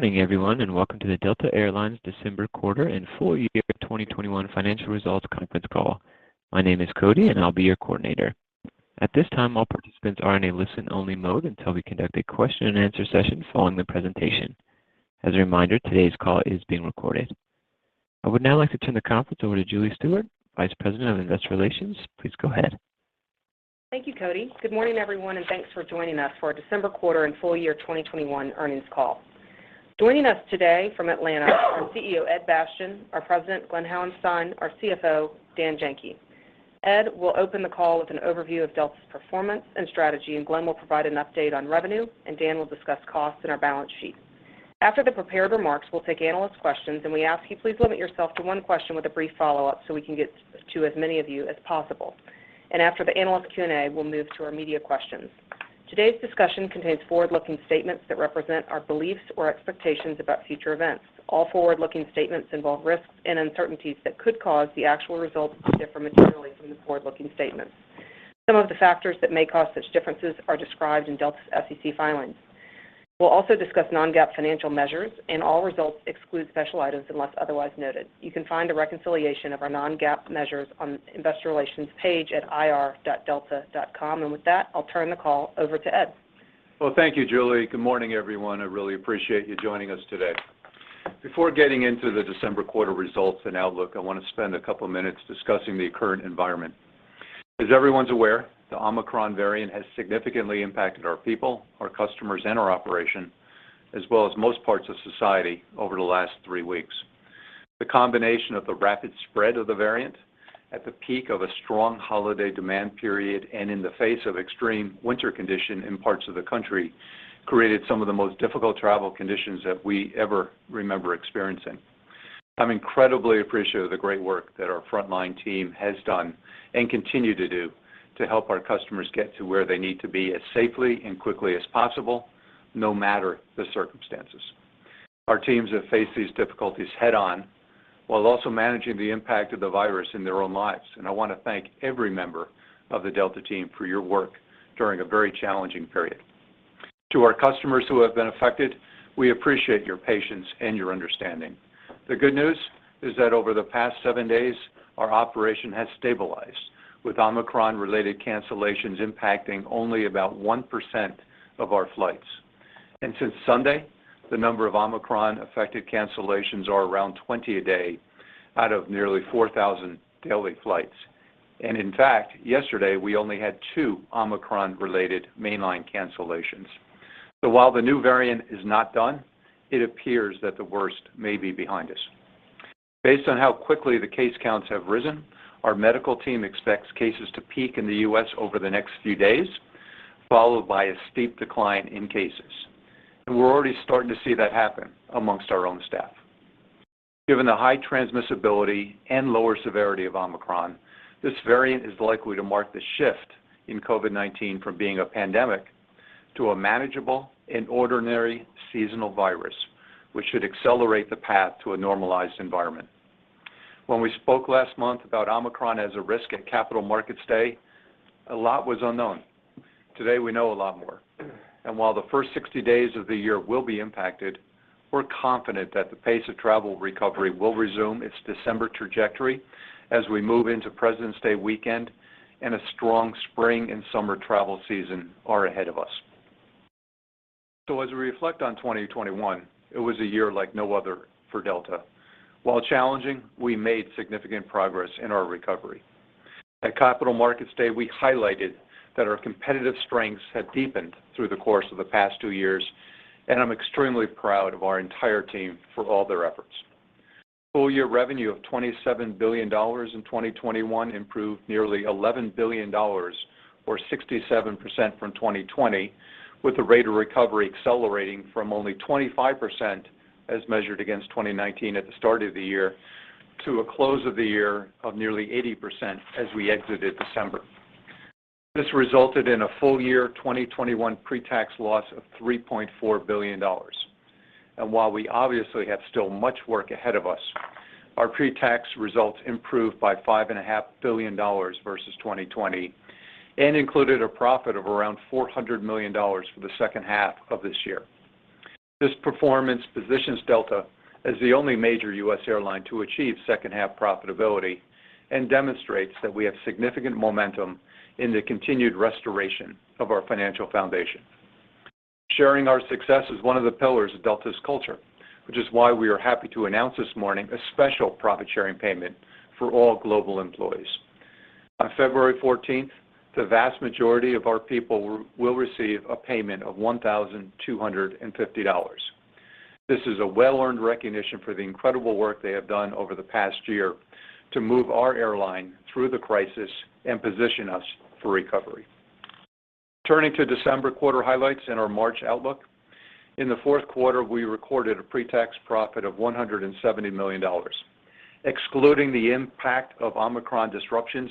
Good morning, everyone, and welcome to the Delta Air Lines December quarter and full year 2021 financial results conference call. My name is Cody, and I'll be your coordinator. At this time, all participants are in a listen-only mode until we conduct a question-and-answer session following the presentation. As a reminder, today's call is being recorded. I would now like to turn the conference over to Julie Stewart, Vice President of Investor Relations. Please go ahead. Thank you, Cody. Good morning, everyone, and thanks for joining us for our December quarter and full year 2021 earnings call. Joining us today from Atlanta are CEO Ed Bastian, our President, Glen Hauenstein, our CFO, Dan Janki. Ed will open the call with an overview of Delta's performance and strategy, and Glen will provide an update on revenue, and Dan will discuss costs and our balance sheet. After the prepared remarks, we'll take analyst questions, and we ask you please limit yourself to one question with a brief follow-up so we can get to as many of you as possible. After the analyst Q&A, we'll move to our media questions. Today's discussion contains forward-looking statements that represent our beliefs or expectations about future events. All forward-looking statements involve risks and uncertainties that could cause the actual results to differ materially from the forward-looking statements. Some of the factors that may cause such differences are described in Delta's SEC filings. We'll also discuss non-GAAP financial measures, and all results exclude special items unless otherwise noted. You can find a reconciliation of our non-GAAP measures on the investor relations page at ir.delta.com. With that, I'll turn the call over to Ed. Well, thank you, Julie. Good morning, everyone. I really appreciate you joining us today. Before getting into the December quarter results and outlook, I want to spend a couple minutes discussing the current environment. As everyone's aware, the Omicron variant has significantly impacted our people, our customers, and our operation, as well as most parts of society over the last three weeks. The combination of the rapid spread of the variant at the peak of a strong holiday demand period and in the face of extreme winter condition in parts of the country created some of the most difficult travel conditions that we ever remember experiencing. I'm incredibly appreciative of the great work that our frontline team has done and continue to do to help our customers get to where they need to be as safely and quickly as possible, no matter the circumstances. Our teams have faced these difficulties head-on while also managing the impact of the virus in their own lives, and I want to thank every member of the Delta team for your work during a very challenging period. To our customers who have been affected, we appreciate your patience and your understanding. The good news is that over the past seven days, our operation has stabilized with Omicron-related cancellations impacting only about 1% of our flights. Since Sunday, the number of Omicron-affected cancellations are around 20 a day out of nearly 4,000 daily flights. In fact, yesterday, we only had two Omicron-related mainline cancellations. While the new variant is not done, it appears that the worst may be behind us. Based on how quickly the case counts have risen, our medical team expects cases to peak in the U.S. over the next few days, followed by a steep decline in cases. We're already starting to see that happen amongst our own staff. Given the high transmissibility and lower severity of Omicron, this variant is likely to mark the shift in COVID-19 from being a pandemic to a manageable and ordinary seasonal virus, which should accelerate the path to a normalized environment. When we spoke last month about Omicron as a risk at Capital Markets Day, a lot was unknown. Today, we know a lot more. While the first 60 days of the year will be impacted, we're confident that the pace of travel recovery will resume its December trajectory as we move into President's Day weekend and a strong spring and summer travel season are ahead of us. As we reflect on 2021, it was a year like no other for Delta. While challenging, we made significant progress in our recovery. At Capital Markets Day, we highlighted that our competitive strengths had deepened through the course of the past two years, and I'm extremely proud of our entire team for all their efforts. Full year revenue of $27 billion in 2021 improved nearly $11 billion or 67% from 2020, with the rate of recovery accelerating from only 25% as measured against 2019 at the start of the year to a close of the year of nearly 80% as we exited December. This resulted in a full year 2021 pre-tax loss of $3.4 billion. While we obviously have still much work ahead of us, our pre-tax results improved by $5.5 billion versus 2020 and included a profit of around $400 million for the second half of this year. This performance positions Delta as the only major U.S. airline to achieve second-half profitability and demonstrates that we have significant momentum in the continued restoration of our financial foundation. Sharing our success is one of the pillars of Delta's culture, which is why we are happy to announce this morning a special profit-sharing payment for all global employees. On February 14, the vast majority of our people will receive a payment of $1,250. This is a well-earned recognition for the incredible work they have done over the past year to move our airline through the crisis and position us for recovery. Turning to December quarter highlights and our March outlook. In the fourth quarter, we recorded a pre-tax profit of $170 million. Excluding the impact of Omicron disruptions,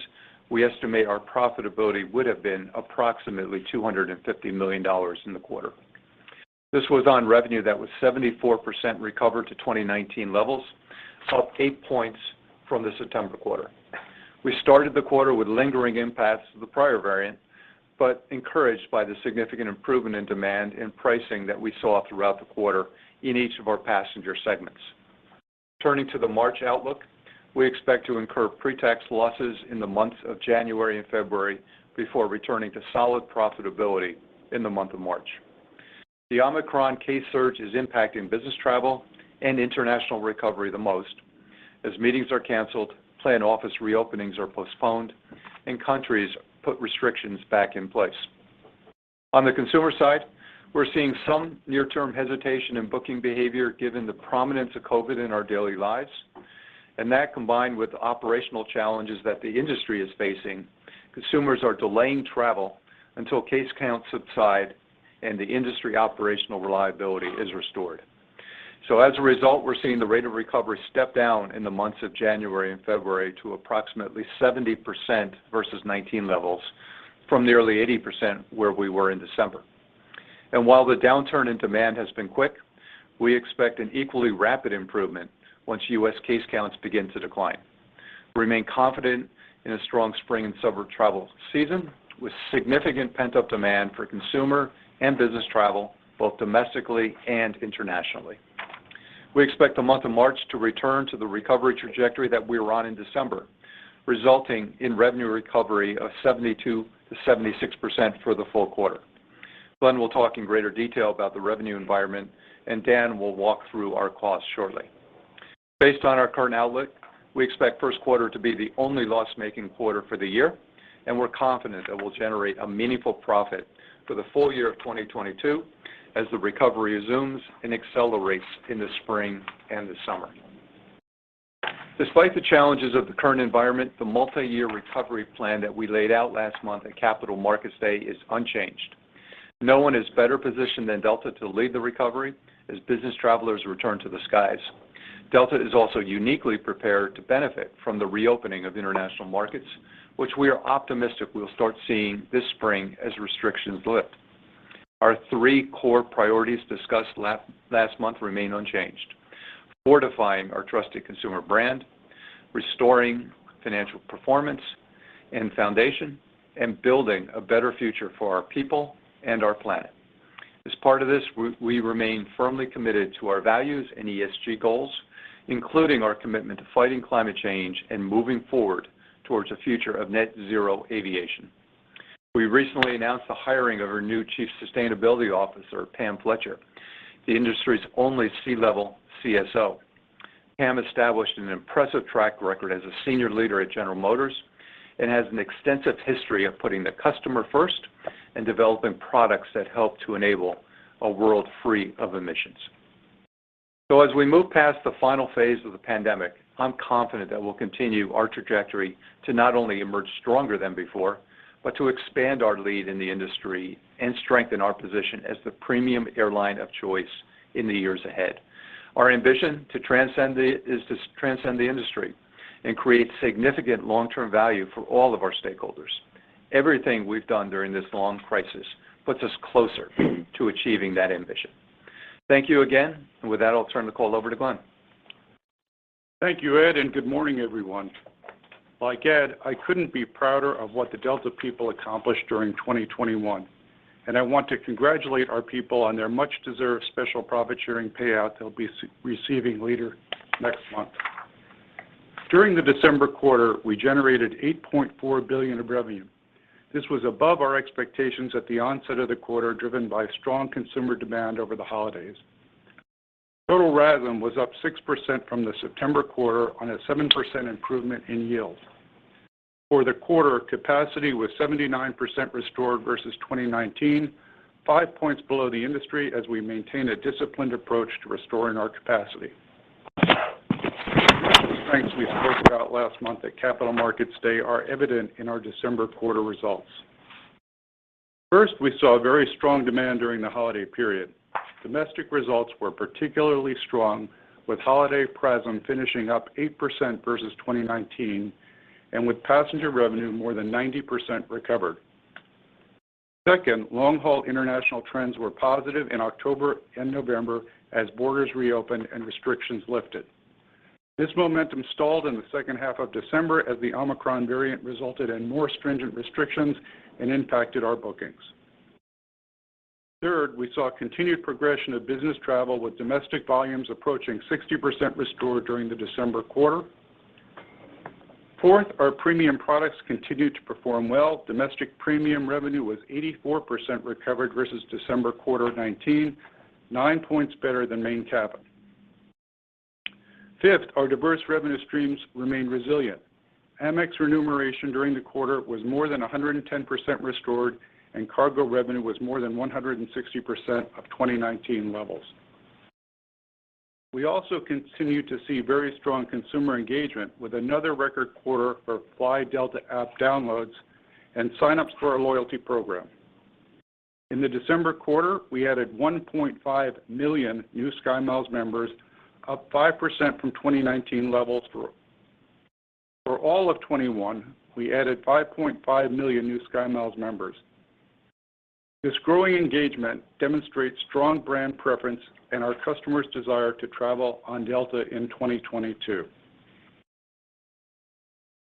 we estimate our profitability would have been approximately $250 million in the quarter. This was on revenue that was 74% recovered to 2019 levels, up eight points from the September quarter. We started the quarter with lingering impacts of the prior variant, but encouraged by the significant improvement in demand and pricing that we saw throughout the quarter in each of our passenger segments. Turning to the March outlook, we expect to incur pre-tax losses in the months of January and February before returning to solid profitability in the month of March. The Omicron case surge is impacting business travel and international recovery the most as meetings are canceled, planned office reopenings are postponed, and countries put restrictions back in place. On the consumer side, we're seeing some near-term hesitation in booking behavior given the prominence of COVID in our daily lives. That combined with the operational challenges that the industry is facing, consumers are delaying travel until case counts subside and the industry operational reliability is restored. As a result, we're seeing the rate of recovery step down in the months of January and February to approximately 70% versus 2019 levels from nearly 80% where we were in December. While the downturn in demand has been quick, we expect an equally rapid improvement once U.S. case counts begin to decline. We remain confident in a strong spring and summer travel season with significant pent-up demand for consumer and business travel, both domestically and internationally. We expect the month of March to return to the recovery trajectory that we were on in December, resulting in revenue recovery of 72%-76% for the full quarter. Glen will talk in greater detail about the revenue environment, and Dan will walk through our costs shortly. Based on our current outlook, we expect first quarter to be the only loss-making quarter for the year, and we're confident that we'll generate a meaningful profit for the full year of 2022 as the recovery resumes and accelerates in the spring and the summer. Despite the challenges of the current environment, the multi-year recovery plan that we laid out last month at Capital Markets Day is unchanged. No one is better positioned than Delta to lead the recovery as business travelers return to the skies. Delta is also uniquely prepared to benefit from the reopening of international markets, which we are optimistic we'll start seeing this spring as restrictions lift. Our three core priorities discussed last month remain unchanged. Fortifying our trusted consumer brand, restoring financial performance and foundation, and building a better future for our people and our planet. As part of this, we remain firmly committed to our values and ESG goals, including our commitment to fighting climate change and moving forward towards a future of net zero aviation. We recently announced the hiring of our new Chief Sustainability Officer, Pam Fletcher, the industry's only C-level CSO. Pam established an impressive track record as a senior leader at General Motors and has an extensive history of putting the customer first and developing products that help to enable a world free of emissions. As we move past the final phase of the pandemic, I'm confident that we'll continue our trajectory to not only emerge stronger than before, but to expand our lead in the industry and strengthen our position as the premium airline of choice in the years ahead. Our ambition is to transcend the industry and create significant long-term value for all of our stakeholders. Everything we've done during this long crisis puts us closer to achieving that ambition. Thank you again. With that, I'll turn the call over to Glen. Thank you, Ed, and good morning, everyone. Like Ed, I couldn't be prouder of what the Delta people accomplished during 2021, and I want to congratulate our people on their much-deserved special profit-sharing payout they'll be receiving later next month. During the December quarter, we generated $8.4 billion of revenue. This was above our expectations at the onset of the quarter, driven by strong consumer demand over the holidays. Total RASM was up 6% from the September quarter on a 7% improvement in yield. For the quarter, capacity was 79% restored versus 2019, five points below the industry as we maintain a disciplined approach to restoring our capacity. The strengths we spoke about last month at Capital Markets Day are evident in our December quarter results. First, we saw very strong demand during the holiday period. Domestic results were particularly strong with holiday PRASM finishing up 8% versus 2019 and with passenger revenue more than 90% recovered. Second, long-haul international trends were positive in October and November as borders reopened and restrictions lifted. This momentum stalled in the second half of December as the Omicron variant resulted in more stringent restrictions and impacted our bookings. Third, we saw continued progression of business travel with domestic volumes approaching 60% restored during the December quarter. Fourth, our premium products continued to perform well. Domestic premium revenue was 84% recovered versus December quarter 2019, 9 points better than main cabin. Fifth, our diverse revenue streams remained resilient. Amex remuneration during the quarter was more than 110% restored, and cargo revenue was more than 160% of 2019 levels. We also continued to see very strong consumer engagement with another record quarter for Fly Delta app downloads and sign-ups for our loyalty program. In the December quarter, we added 1.5 million new SkyMiles members, up 5% from 2019 levels. For all of 2021, we added 5.5 million new SkyMiles members. This growing engagement demonstrates strong brand preference and our customers' desire to travel on Delta in 2022.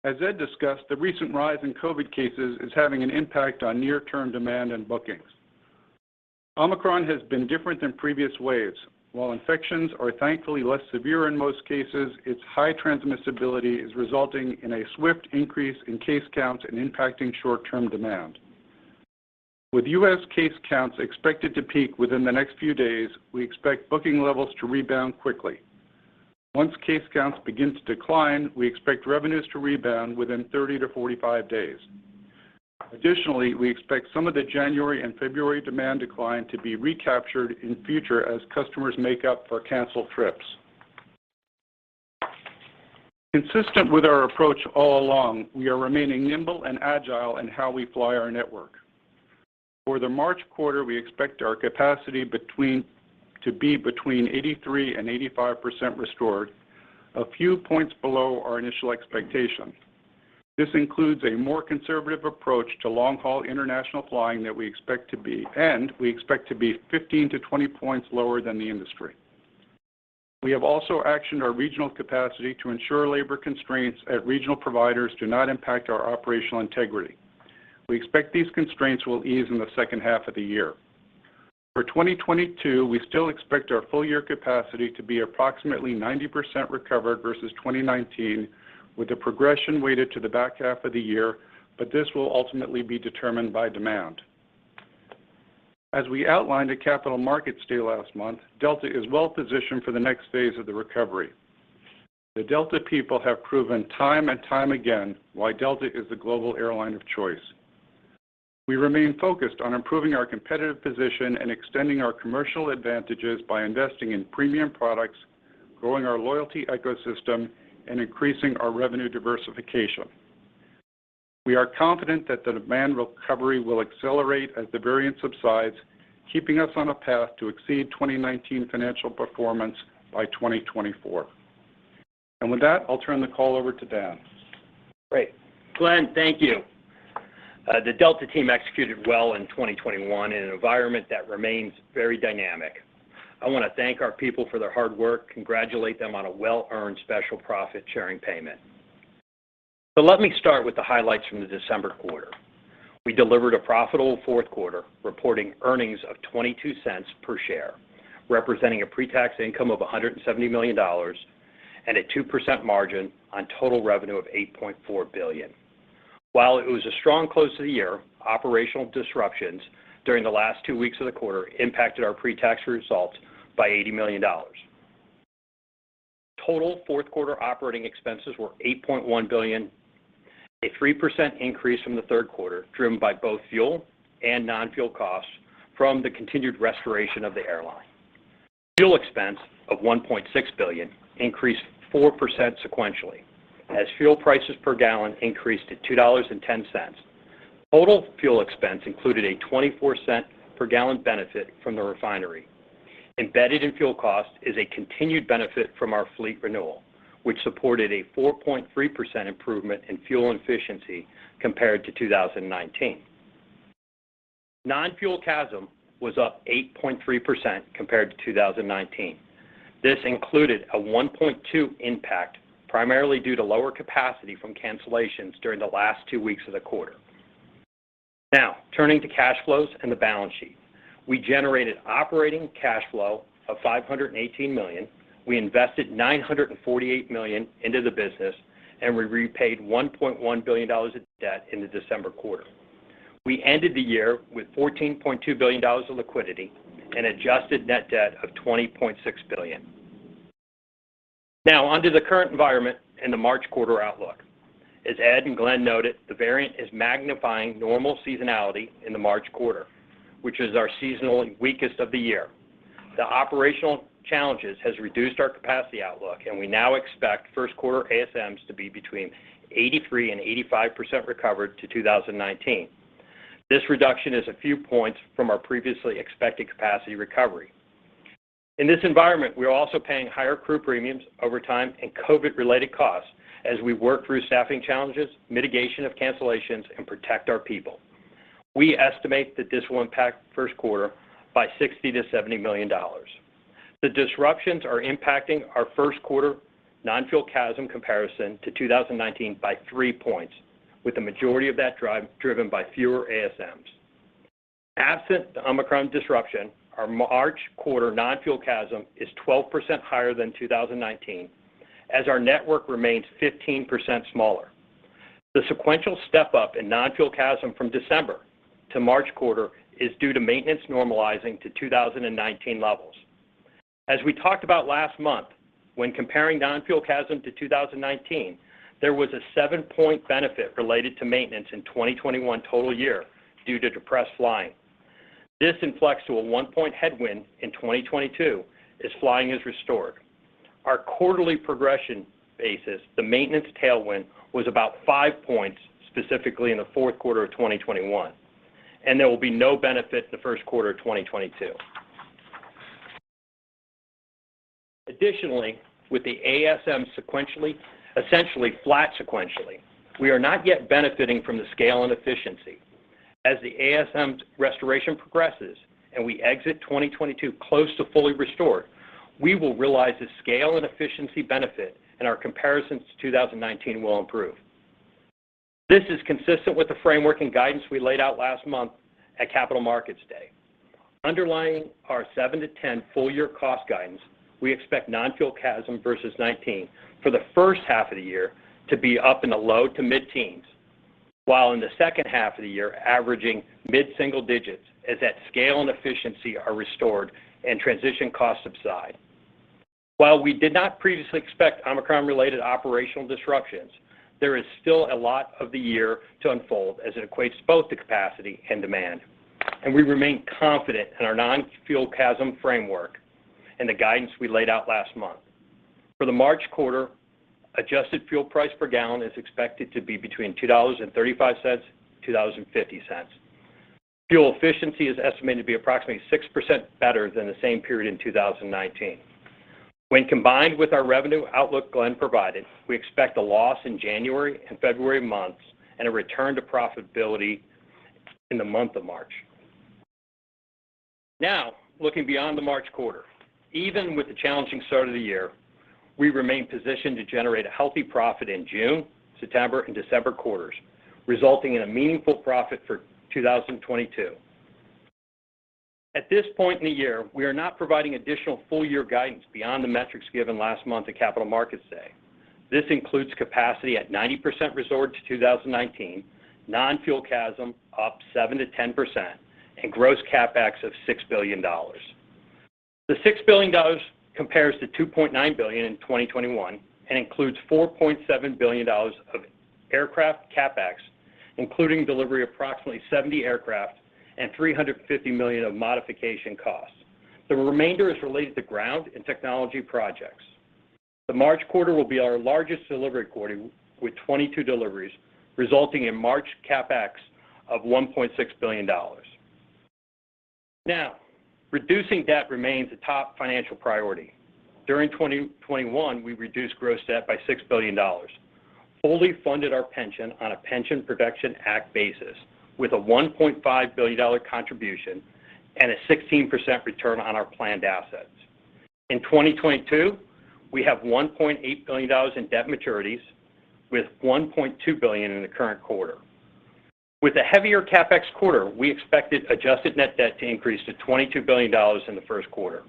As Ed discussed, the recent rise in COVID cases is having an impact on near-term demand and bookings. Omicron has been different than previous waves. While infections are thankfully less severe in most cases, its high transmissibility is resulting in a swift increase in case counts and impacting short-term demand. With U.S. case counts expected to peak within the next few days, we expect booking levels to rebound quickly. Once case counts begin to decline, we expect revenues to rebound within 30-45 days. Additionally, we expect some of the January and February demand decline to be recaptured in future as customers make up for canceled trips. Consistent with our approach all along, we are remaining nimble and agile in how we fly our network. For the March quarter, we expect our capacity to be between 83%-85% restored, a few points below our initial expectation. This includes a more conservative approach to long-haul international flying that we expect to be 15 points-20 points lower than the industry. We have also actioned our regional capacity to ensure labor constraints at regional providers do not impact our operational integrity. We expect these constraints will ease in the second half of the year. For 2022, we still expect our full-year capacity to be approximately 90% recovered versus 2019, with the progression weighted to the back half of the year, but this will ultimately be determined by demand. As we outlined at Capital Markets Day last month, Delta is well positioned for the next phase of the recovery. The Delta people have proven time and time again why Delta is the global airline of choice. We remain focused on improving our competitive position and extending our commercial advantages by investing in premium products, growing our loyalty ecosystem and increasing our revenue diversification. We are confident that the demand recovery will accelerate as the variant subsides, keeping us on a path to exceed 2019 financial performance by 2024. With that, I'll turn the call over to Dan. Great. Glen, thank you. The Delta team executed well in 2021 in an environment that remains very dynamic. I want to thank our people for their hard work, congratulate them on a well-earned special profit-sharing payment. Let me start with the highlights from the December quarter. We delivered a profitable fourth quarter, reporting earnings of $0.22 per share, representing a pre-tax income of $170 million and a 2% margin on total revenue of $8.4 billion. While it was a strong close to the year, operational disruptions during the last two weeks of the quarter impacted our pre-tax results by $80 million. Total fourth-quarter operating expenses were $8.1 billion, a 3% increase from the third quarter, driven by both fuel and non-fuel costs from the continued restoration of the airline. Fuel expense of $1.6 billion increased 4% sequentially as fuel prices per gallon increased to $2.10. Total fuel expense included a 24-cent per gallon benefit from the refinery. Embedded in fuel cost is a continued benefit from our fleet renewal, which supported a 4.3% improvement in fuel efficiency compared to 2019. Non-fuel CASM was up 8.3% compared to 2019. This included a 1.2 impact, primarily due to lower capacity from cancellations during the last two weeks of the quarter. Now, turning to cash flows and the balance sheet. We generated operating cash flow of $518 million. We invested $948 million into the business, and we repaid $1.1 billion of debt in the December quarter. We ended the year with $14.2 billion of liquidity and adjusted net debt of $20.6 billion. Now, onto the current environment and the March quarter outlook. As Ed and Glen noted, the variant is magnifying normal seasonality in the March quarter, which is our seasonal and weakest of the year. The operational challenges has reduced our capacity outlook, and we now expect first quarter ASMs to be between 83%-85% recovered to 2019. This reduction is a few points from our previously expected capacity recovery. In this environment, we are also paying higher crew premiums, overtime, and COVID-related costs as we work through staffing challenges, mitigation of cancellations, and protect our people. We estimate that this will impact first quarter by $60 million-$70 million. The disruptions are impacting our first quarter non-fuel CASM comparison to 2019 by three points, with the majority of that driven by fewer ASMs. Absent the Omicron disruption, our March quarter non-fuel CASM is 12% higher than 2019, as our network remains 15% smaller. The sequential step-up in non-fuel CASM from December to March quarter is due to maintenance normalizing to 2019 levels. As we talked about last month, when comparing non-fuel CASM to 2019, there was a 7-point benefit related to maintenance in 2021 total year due to depressed flying. This flips to a 1-point headwind in 2022 as flying is restored. Our quarterly progression basis, the maintenance tailwind, was about 5 points, specifically in the fourth quarter of 2021, and there will be no benefit in the first quarter of 2022. Additionally, with the ASM sequentially, essentially flat sequentially, we are not yet benefiting from the scale and efficiency. As the ASM restoration progresses and we exit 2022 close to fully restored, we will realize the scale and efficiency benefit and our comparisons to 2019 will improve. This is consistent with the framework and guidance we laid out last month at Capital Markets Day. Underlying our 7-10 full year cost guidance, we expect non-fuel CASM versus 2019 for the first half of the year to be up in the low to mid-teens, while in the second half of the year, averaging mid-single digits as that scale and efficiency are restored and transition costs subside. While we did not previously expect Omicron-related operational disruptions, there is still a lot of the year to unfold as it equates both to capacity and demand. We remain confident in our non-fuel CASM framework and the guidance we laid out last month. For the March quarter, adjusted fuel price per gallon is expected to be between $2.35-$2.50. Fuel efficiency is estimated to be approximately 6% better than the same period in 2019. When combined with our revenue outlook Glen provided, we expect a loss in January and February months and a return to profitability in the month of March. Now, looking beyond the March quarter. Even with the challenging start of the year, we remain positioned to generate a healthy profit in June, September, and December quarters, resulting in a meaningful profit for 2022. At this point in the year, we are not providing additional full year guidance beyond the metrics given last month at Capital Markets Day. This includes capacity at 90% restored to 2019, non-fuel CASM up 7%-10%, and gross CapEx of $6 billion. The $6 billion compares to $2.9 billion in 2021 and includes $4.7 billion of aircraft CapEx, including delivery of approximately 70 aircraft and $350 million of modification costs. The remainder is related to ground and technology projects. The March quarter will be our largest delivery quarter with 22 deliveries, resulting in March CapEx of $1.6 billion. Reducing debt remains a top financial priority. During 2021, we reduced gross debt by $6 billion, fully funded our pension on a Pension Protection Act basis with a $1.5 billion contribution and a 16% return on our planned assets. In 2022, we have $1.8 billion in debt maturities with $1.2 billion in the current quarter. With a heavier CapEx quarter, we expected adjusted net debt to increase to $22 billion in the first quarter.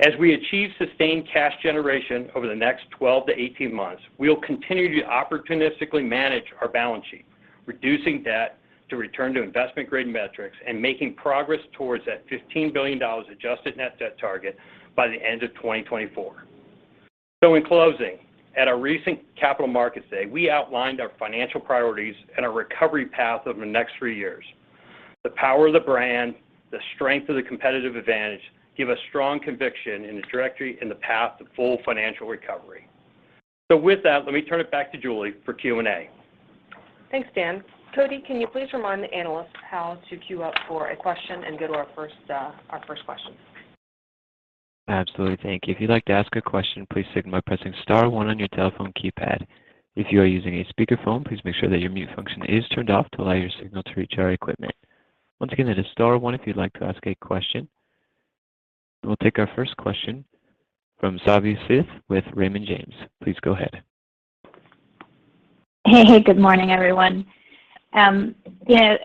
As we achieve sustained cash generation over the next 12 months-18 months, we will continue to opportunistically manage our balance sheet, reducing debt to return to investment-grade metrics and making progress towards that $15 billion adjusted net debt target by the end of 2024. In closing, at our recent Capital Markets Day, we outlined our financial priorities and our recovery path over the next three years. The power of the brand, the strength of the competitive advantage give us strong conviction in the trajectory and the path to full financial recovery. With that, let me turn it back to Julie for Q&A. Thanks, Dan. Cody, can you please remind the analysts how to queue up for a question and go to our first question? Absolutely. Thank you. If you'd like to ask a question, please signal by pressing star one on your telephone keypad. If you are using a speakerphone, please make sure that your mute function is turned off to allow your signal to reach our equipment. Once again, that is star one if you'd like to ask a question. We'll take our first question from Savanthi Syth with Raymond James. Please go ahead. Hey. Good morning, everyone. You know,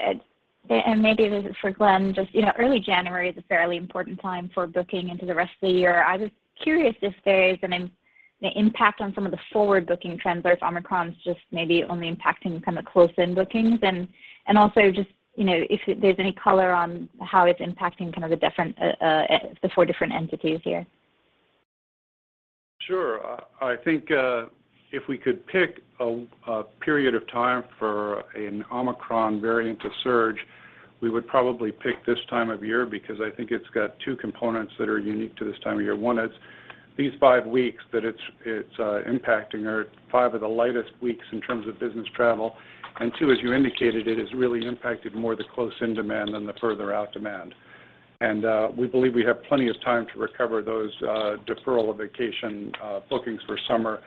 maybe this is for Glen, just, you know, early January is a fairly important time for booking into the rest of the year. I was curious if there is an impact on some of the forward-booking trends or if Omicron is just maybe only impacting kind of close-in bookings. Also just, you know, if there's any color on how it's impacting kind of the different, the four different entities here. Sure. I think if we could pick a period of time for an Omicron variant to surge, we would probably pick this time of year because I think it's got two components that are unique to this time of year. One is these five weeks that it's impacting are five of the lightest weeks in terms of business travel. Two, as you indicated, it has really impacted more the close-in demand than the further-out demand. We believe we have plenty of time to recover those deferral of vacation bookings for summer.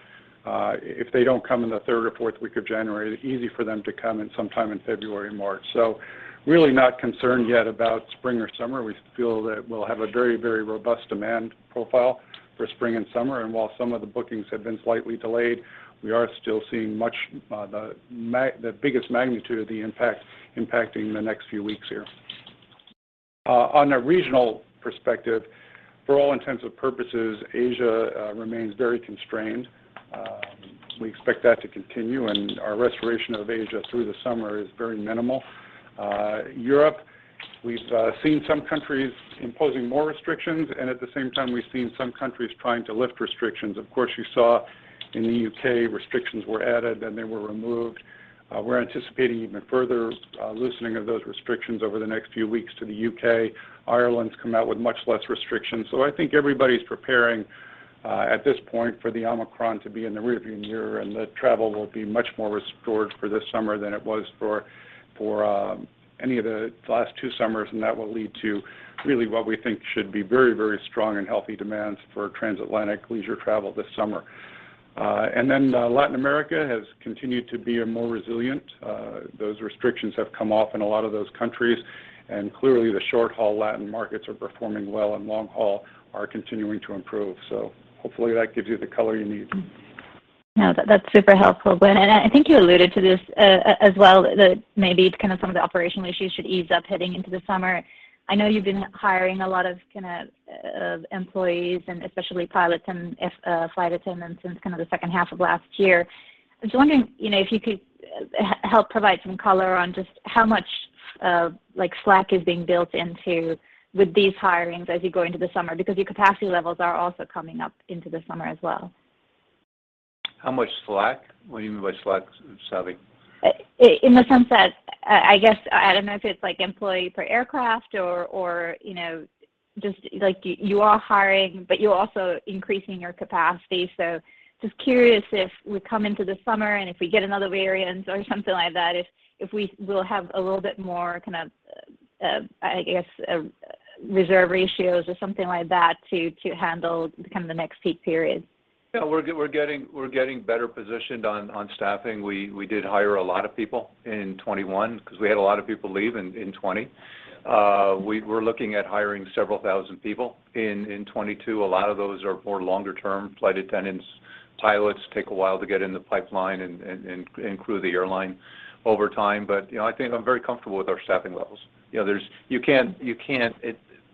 If they don't come in the third or fourth week of January, it's easy for them to come in sometime in February, March. Really not concerned yet about spring or summer. We feel that we'll have a very, very robust demand profile for spring and summer. While some of the bookings have been slightly delayed, we are still seeing much, the biggest magnitude of the impact impacting the next few weeks here. On a regional perspective, for all intents and purposes, Asia remains very constrained. We expect that to continue, and our restoration of Asia through the summer is very minimal. Europe, we've seen some countries imposing more restrictions, and at the same time, we've seen some countries trying to lift restrictions. Of course, you saw in the U.K., restrictions were added, then they were removed. We're anticipating even further loosening of those restrictions over the next few weeks to the U.K. Ireland's come out with much less restrictions. I think everybody's preparing, at this point for the Omicron to be in the rearview mirror, and the travel will be much more restored for this summer than it was for any of the last two summers, and that will lead to really what we think should be very, very strong and healthy demands for transatlantic leisure travel this summer. Latin America has continued to be a more resilient. Those restrictions have come off in a lot of those countries, and clearly the short-haul Latin markets are performing well, and long haul are continuing to improve. Hopefully that gives you the color you need. No, that's super helpful, Glen. I think you alluded to this as well, that maybe kind of some of the operational issues should ease up heading into the summer. I know you've been hiring a lot of kind of employees and especially pilots and flight attendants since kind of the second half of last year. I was wondering, you know, if you could help provide some color on just how much like slack is being built into with these hirings as you go into the summer, because your capacity levels are also coming up into the summer as well. How much slack? What do you mean by slack, Savi? In the sense that, I guess, I don't know if it's like employee per aircraft or you know, just like you are hiring, but you're also increasing your capacity. Just curious if we come into the summer and if we get another variant or something like that, if we will have a little bit more kind of, I guess, reserve ratios or something like that to handle kind of the next peak period. Yeah. We're getting better positioned on staffing. We did hire a lot of people in 2021 because we had a lot of people leave in 2020. We're looking at hiring several thousand people in 2022. A lot of those are more longer term. Flight attendants, pilots take a while to get in the pipeline and accrue the airline over time. But, you know, I think I'm very comfortable with our staffing levels. You know, you can't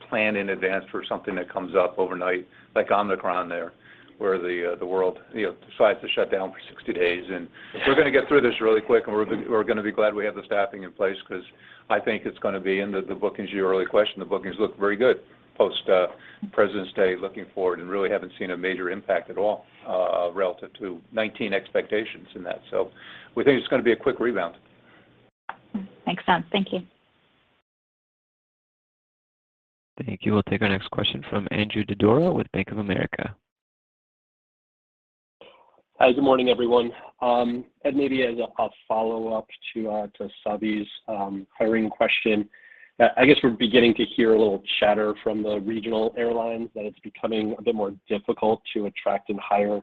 plan in advance for something that comes up overnight, like Omicron, where the world, you know, decides to shut down for 60 days. We're gonna get through this really quick, and we're gonna be glad we have the staffing in place because I think it's gonna be in the bookings. Your earlier question, the bookings look very good post President's Day looking forward and really haven't seen a major impact at all relative to 2019 expectations in that. We think it's gonna be a quick rebound. Makes sense. Thank you. Thank you. We'll take our next question from Andrew Didora with Bank of America. Hi. Good morning, everyone. Maybe as a follow-up to Ravi's hiring question, I guess we're beginning to hear a little chatter from the regional airlines that it's becoming a bit more difficult to attract and hire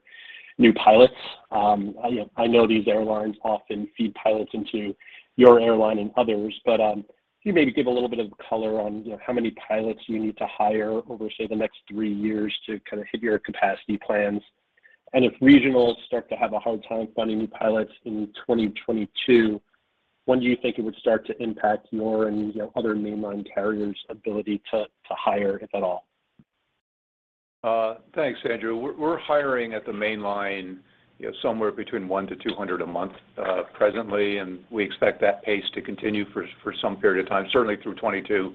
new pilots. I know these airlines often feed pilots into your airline and others, but can you maybe give a little bit of color on, you know, how many pilots you need to hire over, say, the next three years to kind of hit your capacity plans? If regionals start to have a hard time finding new pilots in 2022, when do you think it would start to impact your and, you know, other mainline carriers' ability to hire, if at all? Thanks, Andrew. We're hiring at the mainline, you know, somewhere between 100-200 a month, presently, and we expect that pace to continue for some period of time, certainly through 2022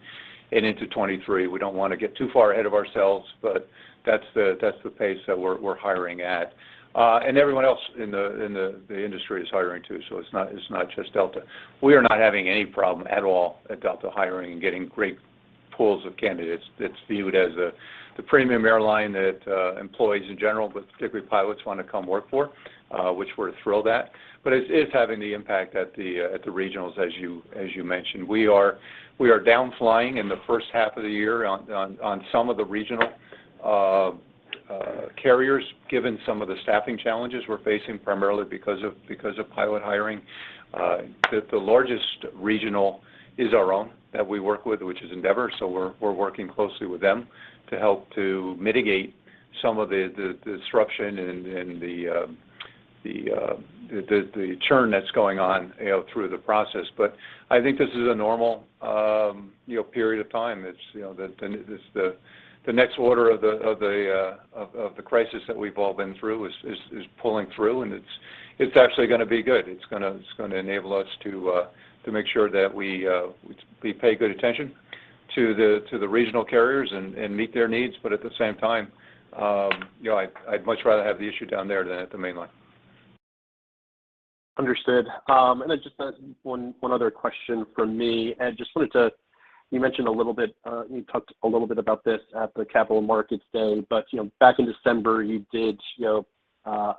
and into 2023. We don't want to get too far ahead of ourselves, but that's the pace that we're hiring at. Everyone else in the industry is hiring too, so it's not just Delta. We are not having any problem at all at Delta hiring and getting great pools of candidates. It's viewed as the premium airline that employees in general, but particularly pilots, want to come work for, which we're thrilled at. It is having the impact at the regionals, as you mentioned. We are down flying in the first half of the year on some of the regional carriers, given some of the staffing challenges we're facing, primarily because of pilot hiring. The largest regional is our own that we work with, which is Endeavor, so we're working closely with them to help to mitigate some of the disruption and the churn that's going on, you know, through the process. But I think this is a normal, you know, period of time. It's the next order of the crisis that we've all been through is pulling through, and it's actually gonna be good. It's gonna enable us to make sure that we pay good attention to the regional carriers and meet their needs. But at the same time, you know, I'd much rather have the issue down there than at the mainline. Understood. Just one other question from me. Just wanted to. You mentioned a little bit, you talked a little bit about this at the Capital Markets Day, but you know, back in December, you did, you know,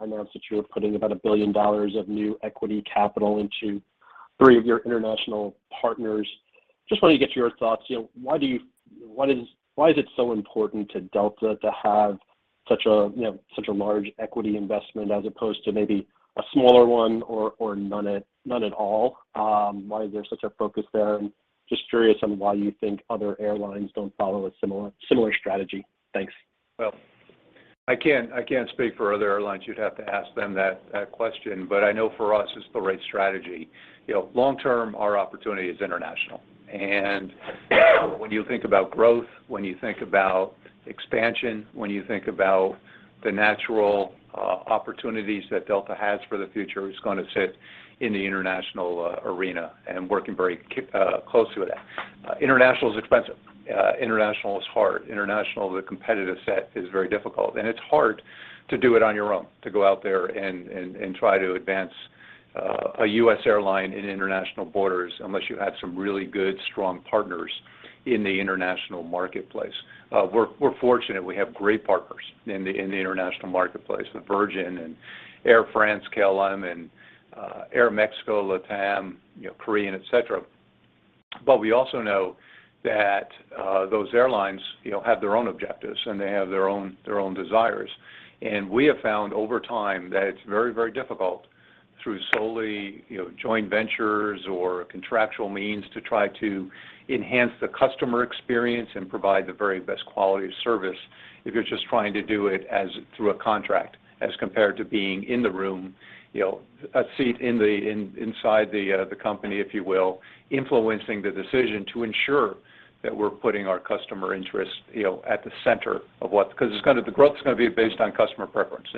announce that you were putting about $1 billion of new equity capital into three of your international partners. Just wanted to get your thoughts. You know, why is it so important to Delta to have such a, you know, such a large equity investment as opposed to maybe a smaller one or none at all? Why is there such a focus there? Just curious on why you think other airlines don't follow a similar strategy. Thanks. Well, I can't speak for other airlines. You'd have to ask them that question. But I know for us, it's the right strategy. You know, long term, our opportunity is international. When you think about growth, when you think about expansion, when you think about the natural opportunities that Delta has for the future, it's gonna sit in the international arena and working very close to it. International is expensive. International is hard. International, the competitive set is very difficult. It's hard to do it on your own, to go out there and try to advance a U.S. airline in international borders unless you had some really good, strong partners in the international marketplace. We're fortunate we have great partners in the international marketplace, with Virgin and Air France-KLM, and Aeromexico, LATAM, you know, Korean, et cetera. We also know that those airlines, you know, have their own objectives and they have their own desires. We have found over time that it's very difficult through solely, you know, joint ventures or contractual means to try to enhance the customer experience and provide the very best quality of service if you're just trying to do it through a contract, as compared to being in the room, you know, a seat inside the company, if you will, influencing the decision to ensure that we're putting our customer interests, you know, at the center of what, 'cause the growth is gonna be based on customer preference.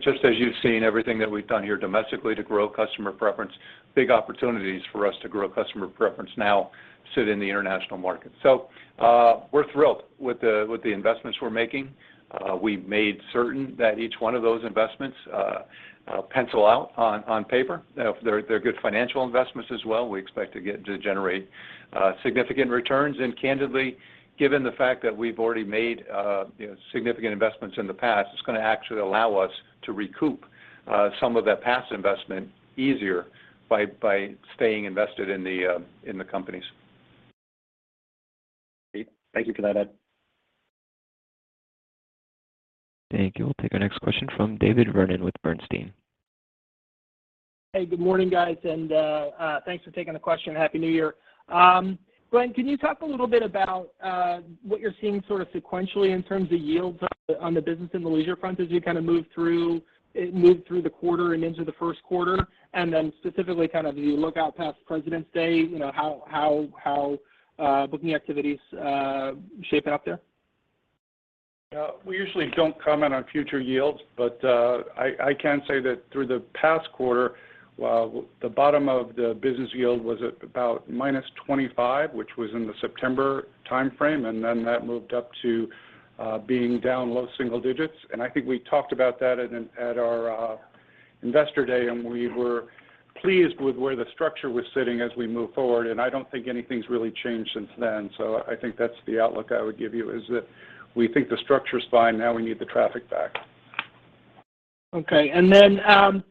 Just as you've seen everything that we've done here domestically to grow customer preference, big opportunities for us to grow customer preference now sit in the international market. We're thrilled with the investments we're making. We've made certain that each one of those investments pencil out on paper. They're good financial investments as well. We expect to generate significant returns. Candidly, given the fact that we've already made, you know, significant investments in the past, it's gonna actually allow us to recoup some of that past investment easier by staying invested in the companies. Great. Thank you for that, Ed. Thank you. We'll take our next question from David Vernon with Bernstein. Hey, good morning, guys, and thanks for taking the question. Happy New Year. Glen, can you talk a little bit about what you're seeing sort of sequentially in terms of yields on the business and the leisure front as you kind of move through the quarter and into the first quarter? Specifically kind of as you look out past President's Day, you know, how booking activity is shaping up there? We usually don't comment on future yields, but I can say that through the past quarter, while the bottom of the business yield was at about -25, which was in the September timeframe, and then that moved up to being down low single digits. I think we talked about that at our Investor Day, and we were pleased with where the structure was sitting as we move forward. I don't think anything's really changed since then. I think that's the outlook I would give you, is that we think the structure is fine, now we need the traffic back. Okay. Do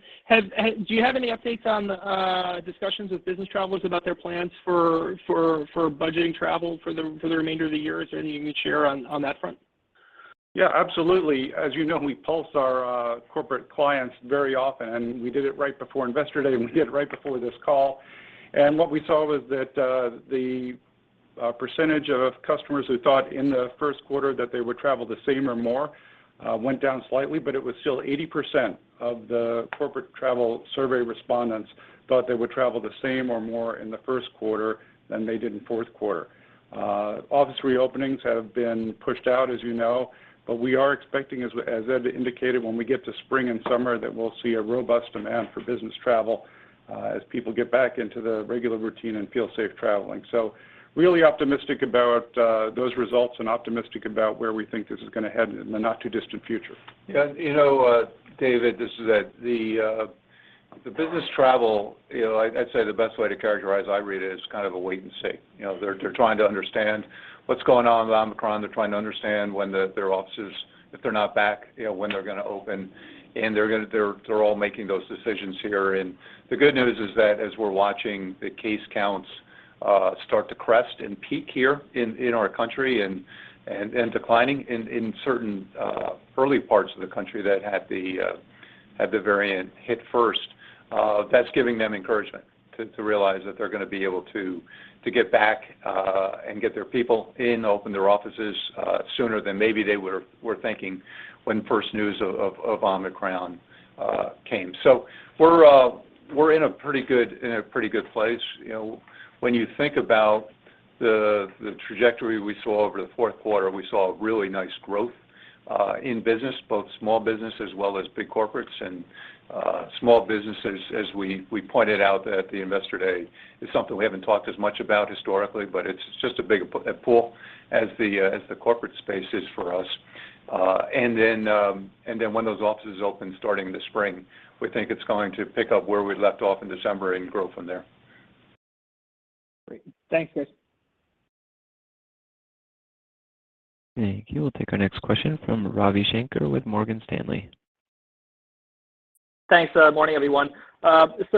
you have any updates on discussions with business travelers about their plans for budgeting travel for the remainder of the year? Is there anything you can share on that front? Yeah, absolutely. As you know, we pulse our corporate clients very often, and we did it right before Investor Day, and we did it right before this call. What we saw was that the percentage of customers who thought in the first quarter that they would travel the same or more went down slightly, but it was still 80% of the corporate travel survey respondents thought they would travel the same or more in the first quarter than they did in fourth quarter. Office reopenings have been pushed out, as you know, but we are expecting, as Ed indicated, when we get to spring and summer, that we'll see a robust demand for business travel as people get back into the regular routine and feel safe traveling. Really optimistic about those results and optimistic about where we think this is gonna head in the not too distant future. Yeah. You know, David, this is Ed. The business travel, you know, I'd say the best way to characterize it. I read it as kind of a wait and see. You know, they're trying to understand what's going on with Omicron. They're trying to understand when their offices, if they're not back, you know, when they're gonna open. They're all making those decisions here. The good news is that as we're watching the case counts start to crest and peak here in our country and declining in certain early parts of the country that had the variant hit first, that's giving them encouragement to realize that they're gonna be able to get back and get their people in, open their offices sooner than maybe they were thinking when first news of Omicron came. We're in a pretty good place. You know, when you think about the trajectory we saw over the fourth quarter, we saw really nice growth in business, both small business as well as big corporates. Small businesses, as we pointed out at the Investor Day, is something we haven't talked as much about historically, but it's just as big a pool as the corporate space is for us. When those offices open starting in the spring, we think it's going to pick up where we left off in December and grow from there. Great. Thanks, guys. Thank you. We'll take our next question from Ravi Shanker with Morgan Stanley. Thanks. Morning, everyone. Just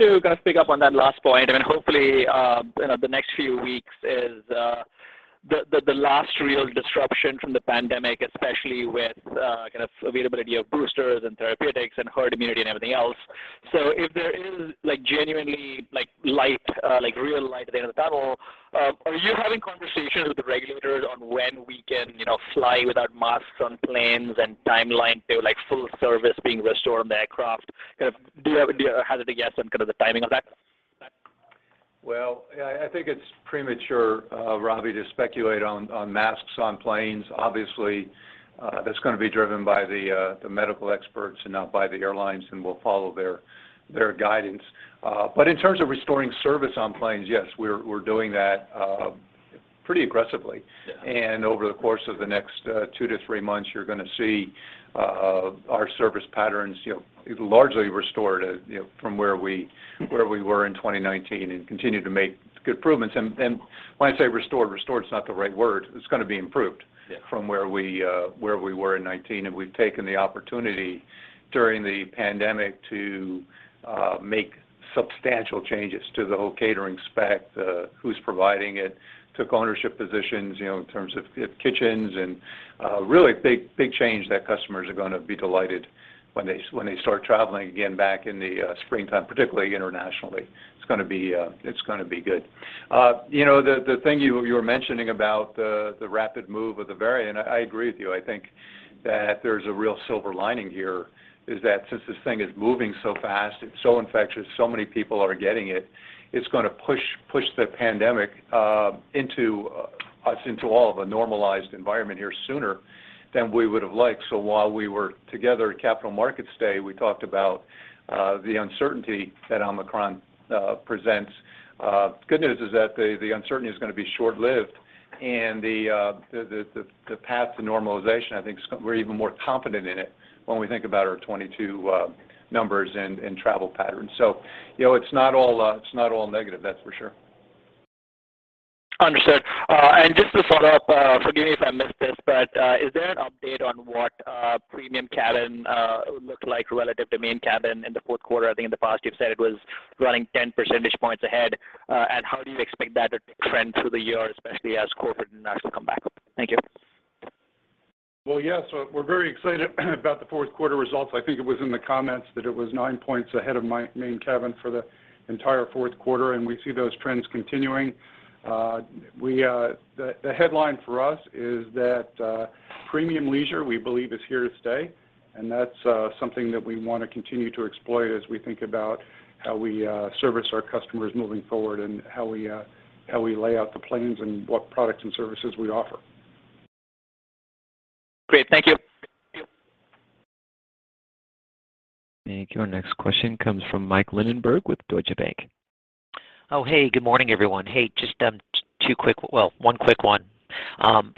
to kind of pick up on that last point, I mean, hopefully, you know, the next few weeks is the last real disruption from the pandemic, especially with kind of availability of boosters and therapeutics and herd immunity and everything else. If there is, like, genuinely, like, light, like real light at the end of the tunnel, are you having conversations with the regulators on when we can, you know, fly without masks on planes and timeline to, like, full service being restored on the aircraft? Kind of do you hazard a guess on kind of the timing of that? Well, I think it's premature, Ravi, to speculate on masks on planes. Obviously, that's gonna be driven by the medical experts and not by the airlines, and we'll follow their guidance. In terms of restoring service on planes, yes, we're doing that pretty aggressively. Yeah. Over the course of the next 2 months-3 months, you're gonna see our service patterns, you know, largely restored, you know, from where we Mm-hmm where we were in 2019 and continue to make good improvements. When I say restored is not the right word. It's gonna be improved. Yeah... from where we were in 2019. We've taken the opportunity during the pandemic to make substantial changes to the whole catering spec, who's providing it, took ownership positions, you know, in terms of kitchens and really big change that customers are gonna be delighted when they start traveling again back in the springtime, particularly internationally. It's gonna be good. You know, the thing you were mentioning about the rapid move of the variant, I agree with you. I think that there's a real silver lining here, is that since this thing is moving so fast, it's so infectious, so many people are getting it's gonna push us into a normalized environment here sooner than we would've liked. While we were together at Capital Markets Day, we talked about the uncertainty that Omicron presents. Good news is that the uncertainty is gonna be short-lived and the path to normalization, I think we're even more confident in it when we think about our 2022 numbers and travel patterns. You know, it's not all negative, that's for sure. Understood. Just to follow up, forgive me if I missed this, but is there an update on what premium cabin looks like relative to main cabin in the fourth quarter? I think in the past you've said it was running 10 percentage points ahead. How do you expect that to trend through the year, especially as corporate and international come back? Thank you. Well, yes. We're very excited about the fourth quarter results. I think it was in the comments that it was 9 points ahead of main cabin for the entire fourth quarter, and we see those trends continuing. The headline for us is that premium leisure we believe is here to stay, and that's something that we wanna continue to exploit as we think about how we service our customers moving forward and how we lay out the planes and what products and services we offer. Great. Thank you. Thank you. Our next question comes from Mike Linenberg with Deutsche Bank. Oh, hey, good morning, everyone. Hey, just one quick one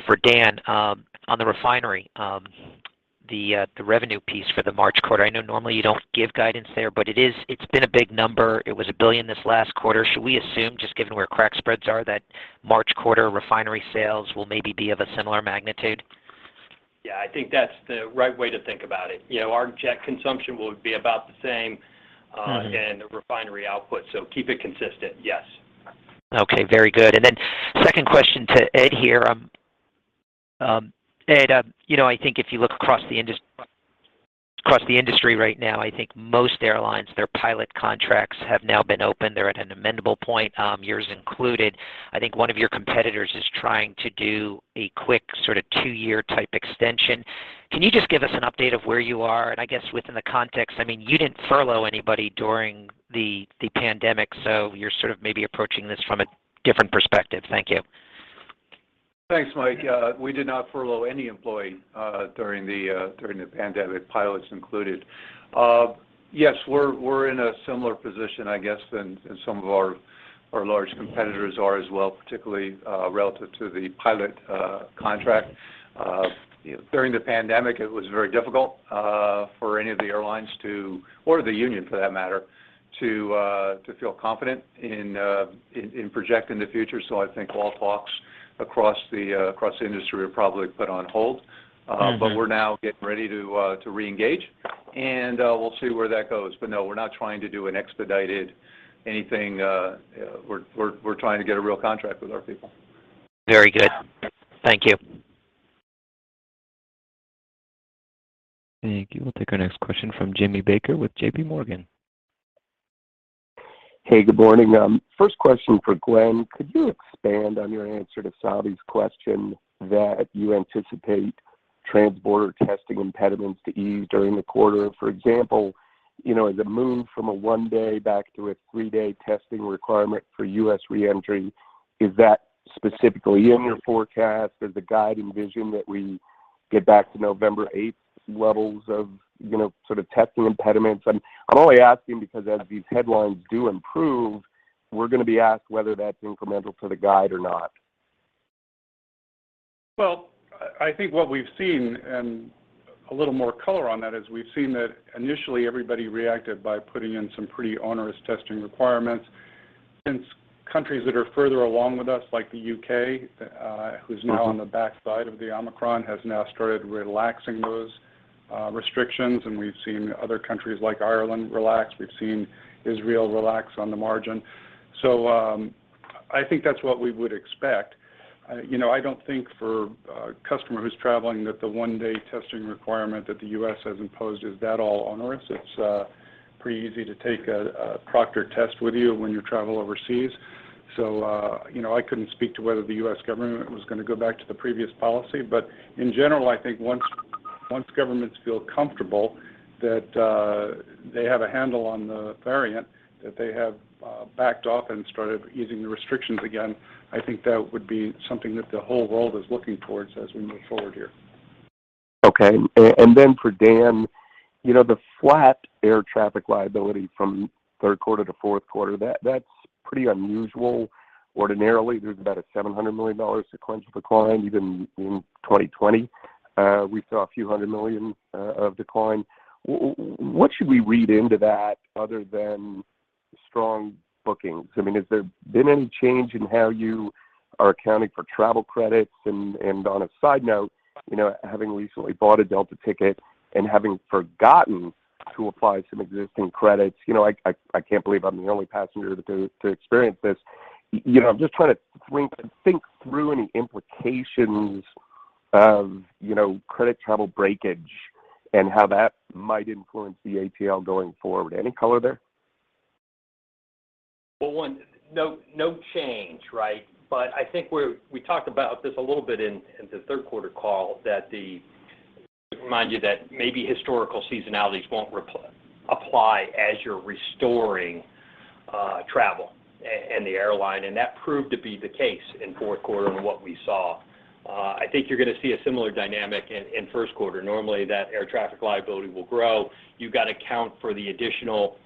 for Dan. On the refinery, the revenue piece for the March quarter, I know normally you don't give guidance there, but it is. It's been a big number. It was $1 billion this last quarter. Should we assume, just given where crack spreads are, that March quarter refinery sales will maybe be of a similar magnitude? Yeah. I think that's the right way to think about it. You know, our jet consumption will be about the same. Mm-hmm... and the refinery output. Keep it consistent. Yes. Okay. Very good. Second question to Ed here. Ed, you know, I think if you look across the industry right now, I think most airlines, their pilot contracts have now been opened. They're at an amendable point, yours included. I think one of your competitors is trying to do a quick sort of two-year type extension. Can you just give us an update of where you are? I guess within the context, I mean, you didn't furlough anybody during the pandemic, so you're sort of maybe approaching this from a different perspective. Thank you. Thanks, Mike. We did not furlough any employee during the pandemic, pilots included. Yes, we're in a similar position, I guess, than some of our large competitors are as well, particularly relative to the pilot contract. You know, during the pandemic, it was very difficult for any of the airlines or the union for that matter to feel confident in projecting the future. I think all talks across the industry are probably put on hold. Mm-hmm. We're now getting ready to reengage, and we'll see where that goes. No, we're not trying to do an expedited anything. We're trying to get a real contract with our people. Very good. Thank you. Thank you. We'll take our next question from Jamie Baker with JPMorgan. Hey, good morning. First question for Glen. Could you expand on your answer to Savi's question that you anticipate transborder testing impediments to ease during the quarter? For example, you know, the move from a one-day back to a three-day testing requirement for U.S. re-entry, is that specifically in your forecast or the guide envision that we get back to November eighth levels of, you know, sort of testing impediments? I'm only asking because as these headlines do improve, we're gonna be asked whether that's incremental to the guide or not. Well, I think what we've seen, and a little more color on that, is we've seen that initially everybody reacted by putting in some pretty onerous testing requirements. Since countries that are further along with us, like the U.K., who's now on the backside of the Omicron, has now started relaxing those restrictions. We've seen other countries like Ireland relax. We've seen Israel relax on the margin. I think that's what we would expect. You know, I don't think for a customer who's traveling that the one-day testing requirement that the U.S. has imposed is that at all onerous. It's pretty easy to take a proctored test with you when you travel overseas. You know, I couldn't speak to whether the U.S. government was gonna go back to the previous policy. In general, I think once governments feel comfortable that they have a handle on the variant, that they have backed off and started easing the restrictions again, I think that would be something that the whole world is looking towards as we move forward here. Okay. Then for Dan, you know, the flat air traffic liability from third quarter to fourth quarter, that's pretty unusual. Ordinarily, there's about a $700 million sequential decline, even in 2020. We saw a few hundred million of decline. What should we read into that other than strong bookings? I mean, has there been any change in how you are accounting for travel credits and on a side note, you know, having recently bought a Delta ticket and having forgotten to apply some existing credits, you know, I can't believe I'm the only passenger to experience this. You know, I'm just trying to think through any implications of, you know, credit travel breakage and how that might influence the ATL going forward. Any color there? Well, one, no change, right? I think we talked about this a little bit in the third quarter call to remind you that maybe historical seasonalities won't apply as you're restoring travel and the airline, and that proved to be the case in fourth quarter in what we saw. I think you're gonna see a similar dynamic in first quarter. Normally, that air traffic liability will grow. You've got to account for the additional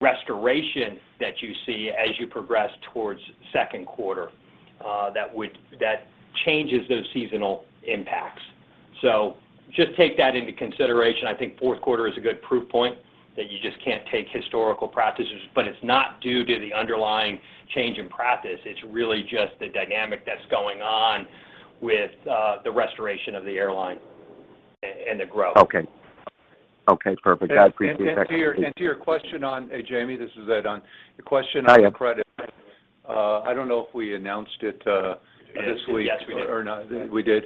restoration that you see as you progress towards second quarter, that changes those seasonal impacts. Just take that into consideration. I think fourth quarter is a good proof point that you just can't take historical practices, but it's not due to the underlying change in practice. It's really just the dynamic that's going on with the restoration of the airline and the growth. Okay. Okay, perfect. I appreciate that. Hey, Jamie, this is Ed. Your question. Hiya. on credit. I don't know if we announced it this week. Yes, we did.... or not. We did.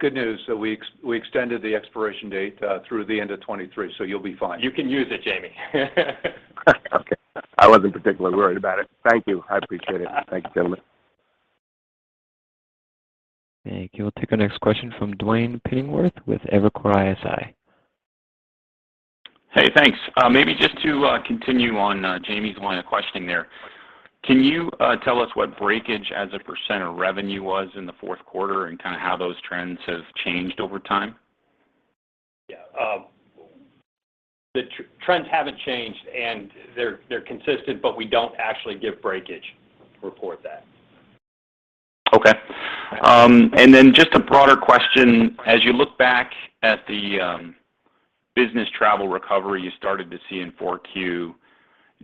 Good news. We extended the expiration date through the end of 2023, so you'll be fine. You can use it, Jamie. Okay. I wasn't particularly worried about it. Thank you. I appreciate it. Thank you. Thank you. We'll take our next question from Duane Pfennigwerth with Evercore ISI. Hey, thanks. Maybe just to continue on Jamie's line of questioning there. Can you tell us what breakage as a % of revenue was in the fourth quarter and kind of how those trends have changed over time? Yeah. The trends haven't changed, and they're consistent, but we don't actually give breakage, report that. Okay. Just a broader question. As you look back at the business travel recovery you started to see in 4Q,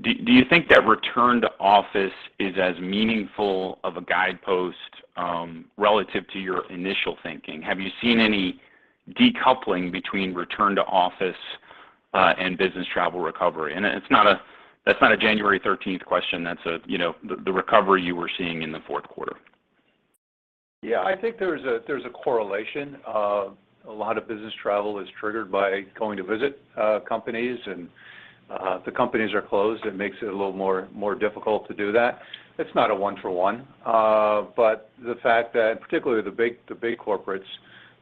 do you think that return to office is as meaningful of a guidepost relative to your initial thinking? Have you seen any decoupling between return to office and business travel recovery? That's not a January thirteenth question. That's the recovery you were seeing in the fourth quarter. Yeah, I think there's a correlation that a lot of business travel is triggered by going to visit companies, and if the companies are closed, it makes it a little more difficult to do that. It's not a one for one. But the fact that particularly the big corporates,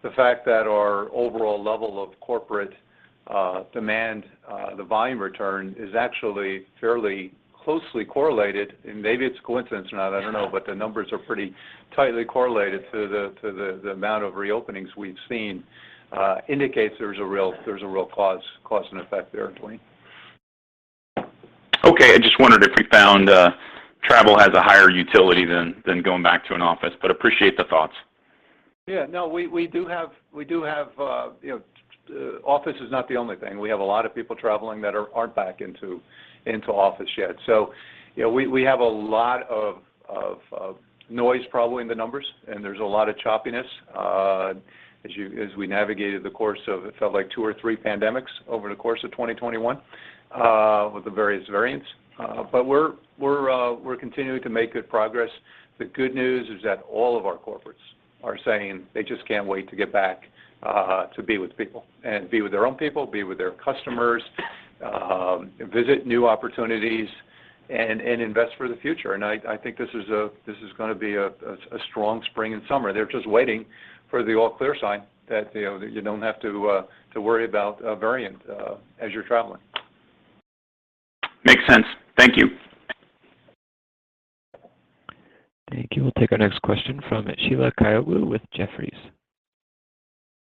the fact that our overall level of corporate demand, the volume return is actually fairly closely correlated, and maybe it's coincidence or not, I don't know, but the numbers are pretty tightly correlated to the amount of reopenings we've seen indicates there's a real cause and effect there, Duane. Okay. I just wondered if you found travel has a higher utility than going back to an office, but I appreciate the thoughts. Yeah. No, we do have you know office is not the only thing. We have a lot of people traveling that aren't back into office yet. You know, we have a lot of noise probably in the numbers, and there's a lot of choppiness as we navigated the course of it felt like two or three pandemics over the course of 2021 with the various variants. We're continuing to make good progress. The good news is that all of our corporates are saying they just can't wait to get back to be with people and be with their own people, be with their customers, visit new opportunities and invest for the future. I think this is gonna be a strong spring and summer. They're just waiting for the all clear sign that, you know, that you don't have to worry about a variant as you're traveling. Makes sense. Thank you. Thank you. We'll take our next question from Sheila Kahyaoglu with Jefferies.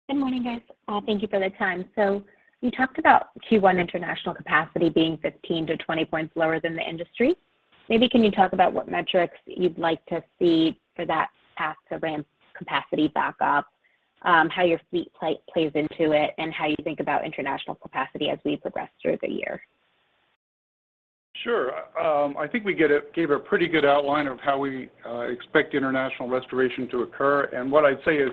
Good morning, guys. Thank you for the time. You talked about Q1 international capacity being 15 points-20 points lower than the industry. Maybe can you talk about what metrics you'd like to see for that path to ramp capacity back up, how your fleet plays into it, and how you think about international capacity as we progress through the year? Sure. I think we gave a pretty good outline of how we expect international restoration to occur. What I'd say is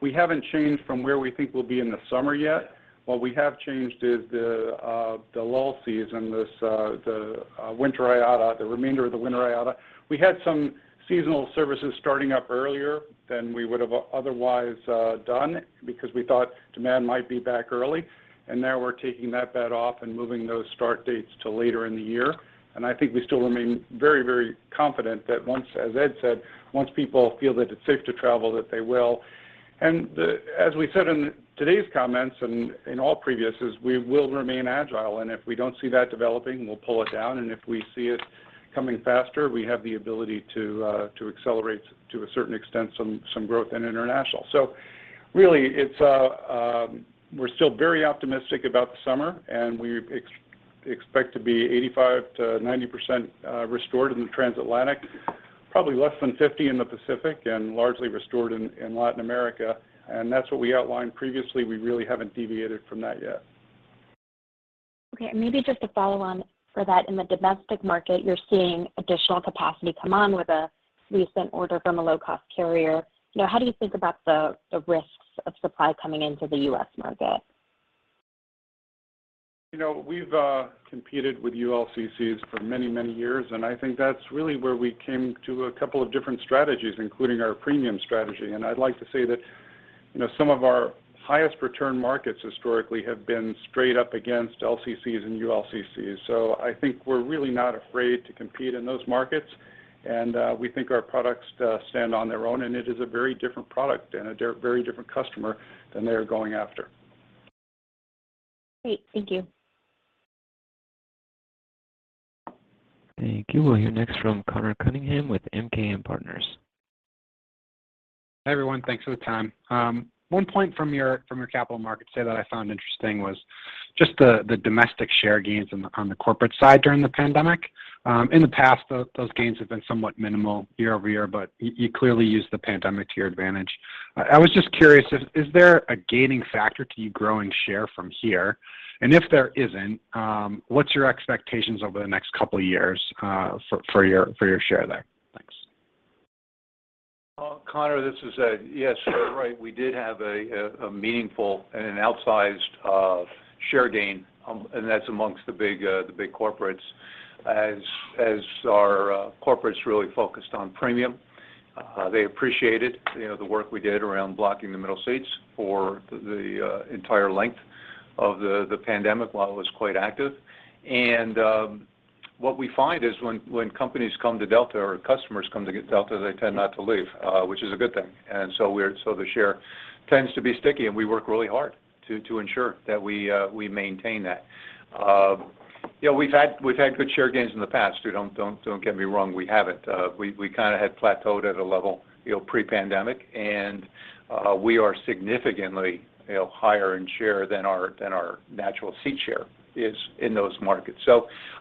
we haven't changed from where we think we'll be in the summer yet. What we have changed is the lull season, this winter IATA, the remainder of the winter IATA. We had some seasonal services starting up earlier than we would have otherwise done because we thought demand might be back early, and now we're taking that bet off and moving those start dates to later in the year. I think we still remain very, very confident that once, as Ed said, once people feel that it's safe to travel, that they will. As we said in today's comments and in all previous is we will remain agile, and if we don't see that developing, we'll pull it down, and if we see it coming faster, we have the ability to accelerate to a certain extent some growth in international. Really, it's we're still very optimistic about the summer, and we expect to be 85%-90% restored in the transatlantic, probably less than 50% in the Pacific, and largely restored in Latin America, and that's what we outlined previously. We really haven't deviated from that yet. Okay, maybe just to follow on for that. In the domestic market, you're seeing additional capacity come on with a recent order from a low-cost carrier. You know, how do you think about the risks of supply coming into the U.S. market? You know, we've competed with ULCCs for many, many years, and I think that's really where we came to a couple of different strategies, including our premium strategy. I'd like to say that, you know, some of our highest return markets historically have been straight up against LCCs and ULCCs. I think we're really not afraid to compete in those markets, and we think our products stand on their own, and it is a very different product and very different customer than they are going after. Great. Thank you. Thank you. We'll hear next from Conor Cunningham with MKM Partners. Hi, everyone. Thanks for the time. One point from your Capital Markets Day that I found interesting was just the domestic share gains on the corporate side during the pandemic. In the past, those gains have been somewhat minimal year-over-year, but you clearly used the pandemic to your advantage. I was just curious, is there a gaining factor to your growing share from here? If there isn't, what's your expectations over the next couple of years for your share there? Thanks. Connor, this is Ed. Yes, you're right. We did have a meaningful and an outsized share gain, and that's amongst the big corporates as our corporates really focused on premium. They appreciated, you know, the work we did around blocking the middle seats for the entire length of the pandemic while it was quite active. What we find is when companies come to Delta or customers come to Delta, they tend not to leave, which is a good thing. So the share tends to be sticky, and we work really hard to ensure that we maintain that. You know, we've had good share gains in the past, too. Don't get me wrong. We haven't. We kind of had plateaued at a level, you know, pre-pandemic, and we are significantly, you know, higher in share than our natural seat share is in those markets.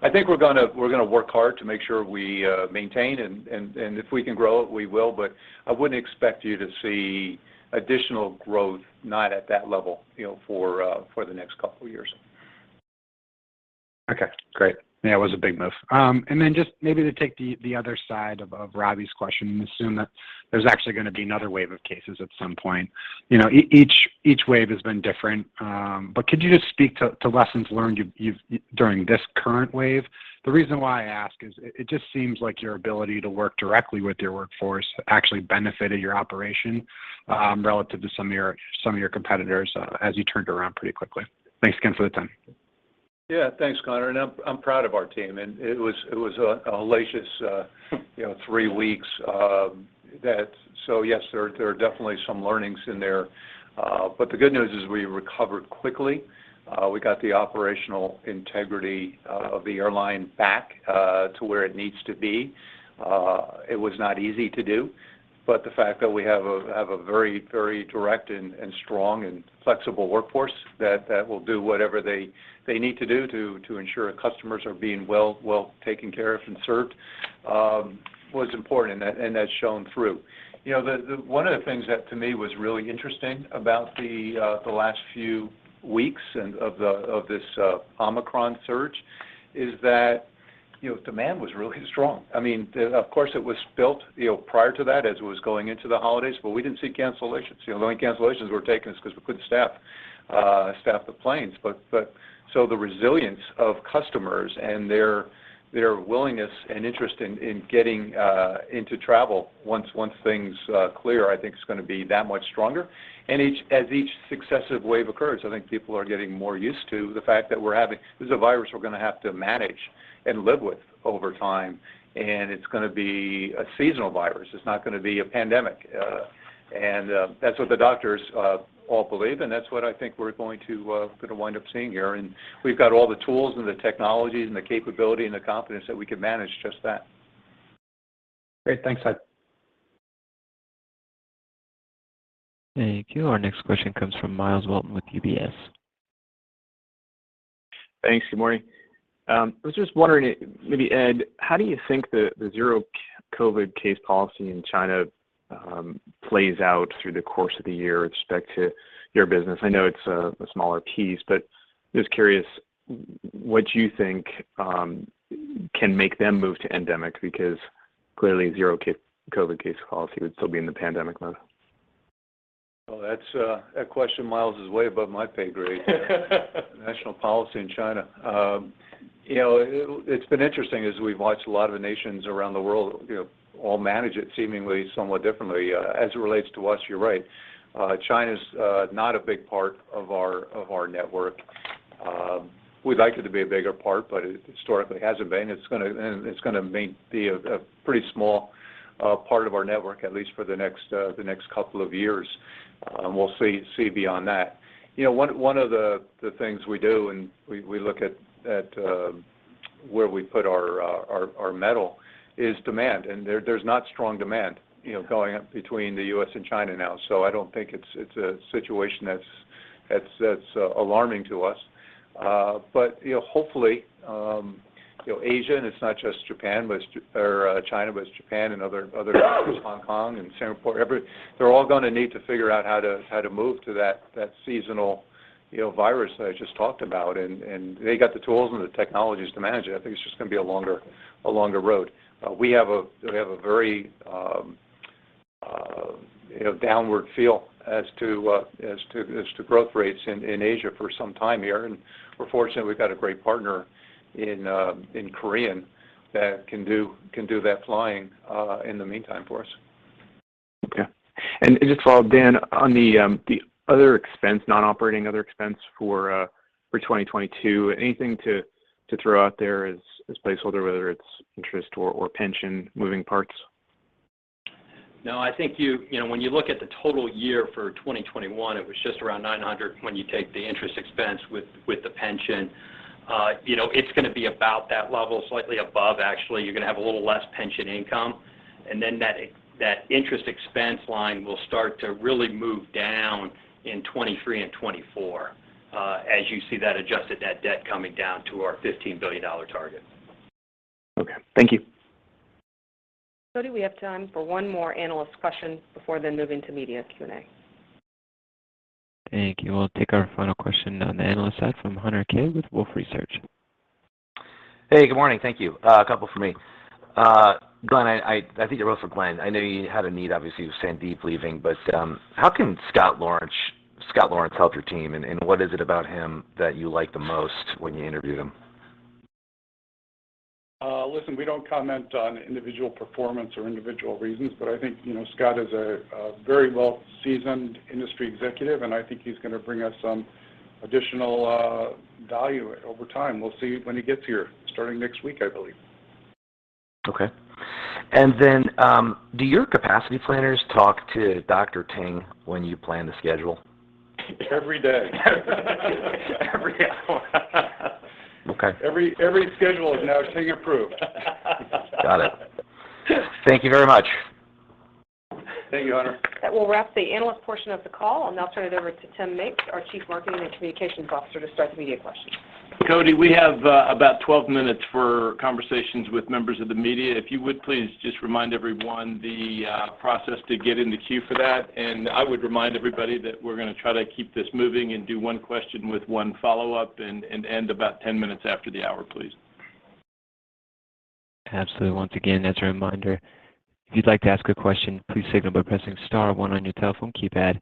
I think we're gonna work hard to make sure we maintain and if we can grow it, we will. I wouldn't expect you to see additional growth, not at that level, you know, for the next couple years. Okay. Great. Yeah, it was a big move. Then just maybe to take the other side of Ravi's question and assume that there's actually gonna be another wave of cases at some point. You know, each wave has been different, but could you just speak to lessons learned you've during this current wave? The reason why I ask is it just seems like your ability to work directly with your workforce actually benefited your operation, relative to some of your competitors, as you turned around pretty quickly. Thanks again for the time. Thanks, Connor, and I'm proud of our team, and it was a hellacious, you know, three weeks. Yes, there are definitely some learnings in there. But the good news is we recovered quickly. We got the operational integrity of the airline back to where it needs to be. It was not easy to do, but the fact that we have a very direct and strong and flexible workforce that will do whatever they need to do to ensure our customers are being well taken care of and served was important, and that's shown through. You know, one of the things that to me was really interesting about the last few weeks of this Omicron surge is that, you know, demand was really strong. I mean, of course it was booked, you know, prior to that as it was going into the holidays, but we didn't see cancellations. You know, the only cancellations we're taking are because we couldn't staff the planes. But so the resilience of customers and their willingness and interest in getting into travel once things clear, I think it's gonna be that much stronger. And as each successive wave occurs, I think people are getting more used to the fact that we're having this. This is a virus we're gonna have to manage and live with over time, and it's gonna be a seasonal virus. It's not gonna be a pandemic. That's what the doctors all believe, and that's what I think we're going to wind up seeing here. We've got all the tools and the technologies and the capability and the confidence that we can manage just that. Great. Thanks, Ed. Thank you. Our next question comes from Myles Walton with UBS. Thanks. Good morning. I was just wondering, maybe Ed, how do you think the zero-COVID case policy in China plays out through the course of the year with respect to your business? I know it's a smaller piece, but just curious what you think can make them move to endemic because clearly zero-COVID case policy would still be in the pandemic mode. Well, that's a question, Myles, is way above my pay grade. National policy in China. You know, it's been interesting as we've watched a lot of the nations around the world, you know, all manage it seemingly somewhat differently. As it relates to us, you're right. China's not a big part of our network. We'd like it to be a bigger part, but it historically hasn't been. It's gonna be a pretty small part of our network at least for the next couple of years, and we'll see beyond that. You know, one of the things we do, and we look at where we put our metal is demand, and there's not strong demand, you know, going up between the U.S. and China now. I don't think it's a situation that's alarming to us. You know, hopefully, you know, Asia, and it's not just Japan, but Japan or China, but it's Japan and other Hong Kong and Singapore. They're all gonna need to figure out how to move to that seasonal, you know, virus that I just talked about. They got the tools and the technologies to manage it. I think it's just gonna be a longer road. We have a very, you know, downward feel as to growth rates in Asia for some time here. We're fortunate we've got a great partner in Korean Air that can do that flying in the meantime for us. Okay. Just to follow up, Dan, on the other expense, non-operating other expense for 2022, anything to throw out there as placeholder, whether it's interest or pension moving parts? No, I think you know, when you look at the total year for 2021, it was just around $900 when you take the interest expense with the pension. You know, it's gonna be about that level, slightly above actually. You're gonna have a little less pension income, and then that interest expense line will start to really move down in 2023 and 2024, as you see that adjusted net debt coming down to our $15 billion target. Okay. Thank you. Cody, we have time for one more analyst question before then moving to media Q&A. Thank you. We'll take our final question on the analyst side from Hunter Keay with Wolfe Research. Hey, good morning. Thank you. A couple from me. Glen, I think they're both for Glen. I know you had a need, obviously, with Sandeep leaving, but how can Scott Laurence help your team? What is it about him that you like the most when you interviewed him? Listen, we don't comment on individual performance or individual reasons, but I think, you know, Scott is a very well-seasoned industry executive, and I think he's gonna bring us some additional value over time. We'll see when he gets here, starting next week, I believe. Do your capacity planners talk to Dr. Ting when you plan the schedule? Every day. Every hour. Okay. Every schedule is now Ting approved. Got it. Thank you very much. Thank you, Hunter. That will wrap the analyst portion of the call. I'll now turn it over to Tim Mapes, our Chief Marketing and Communications Officer, to start the media questions. Cody, we have about 12 minutes for conversations with members of the media. If you would please just remind everyone the process to get in the queue for that, and I would remind everybody that we're gonna try to keep this moving and do one question with one follow-up and end about 10 minutes after the hour, please. Absolutely. Once again, as a reminder, if you'd like to ask a question, please signal by pressing star one on your telephone keypad.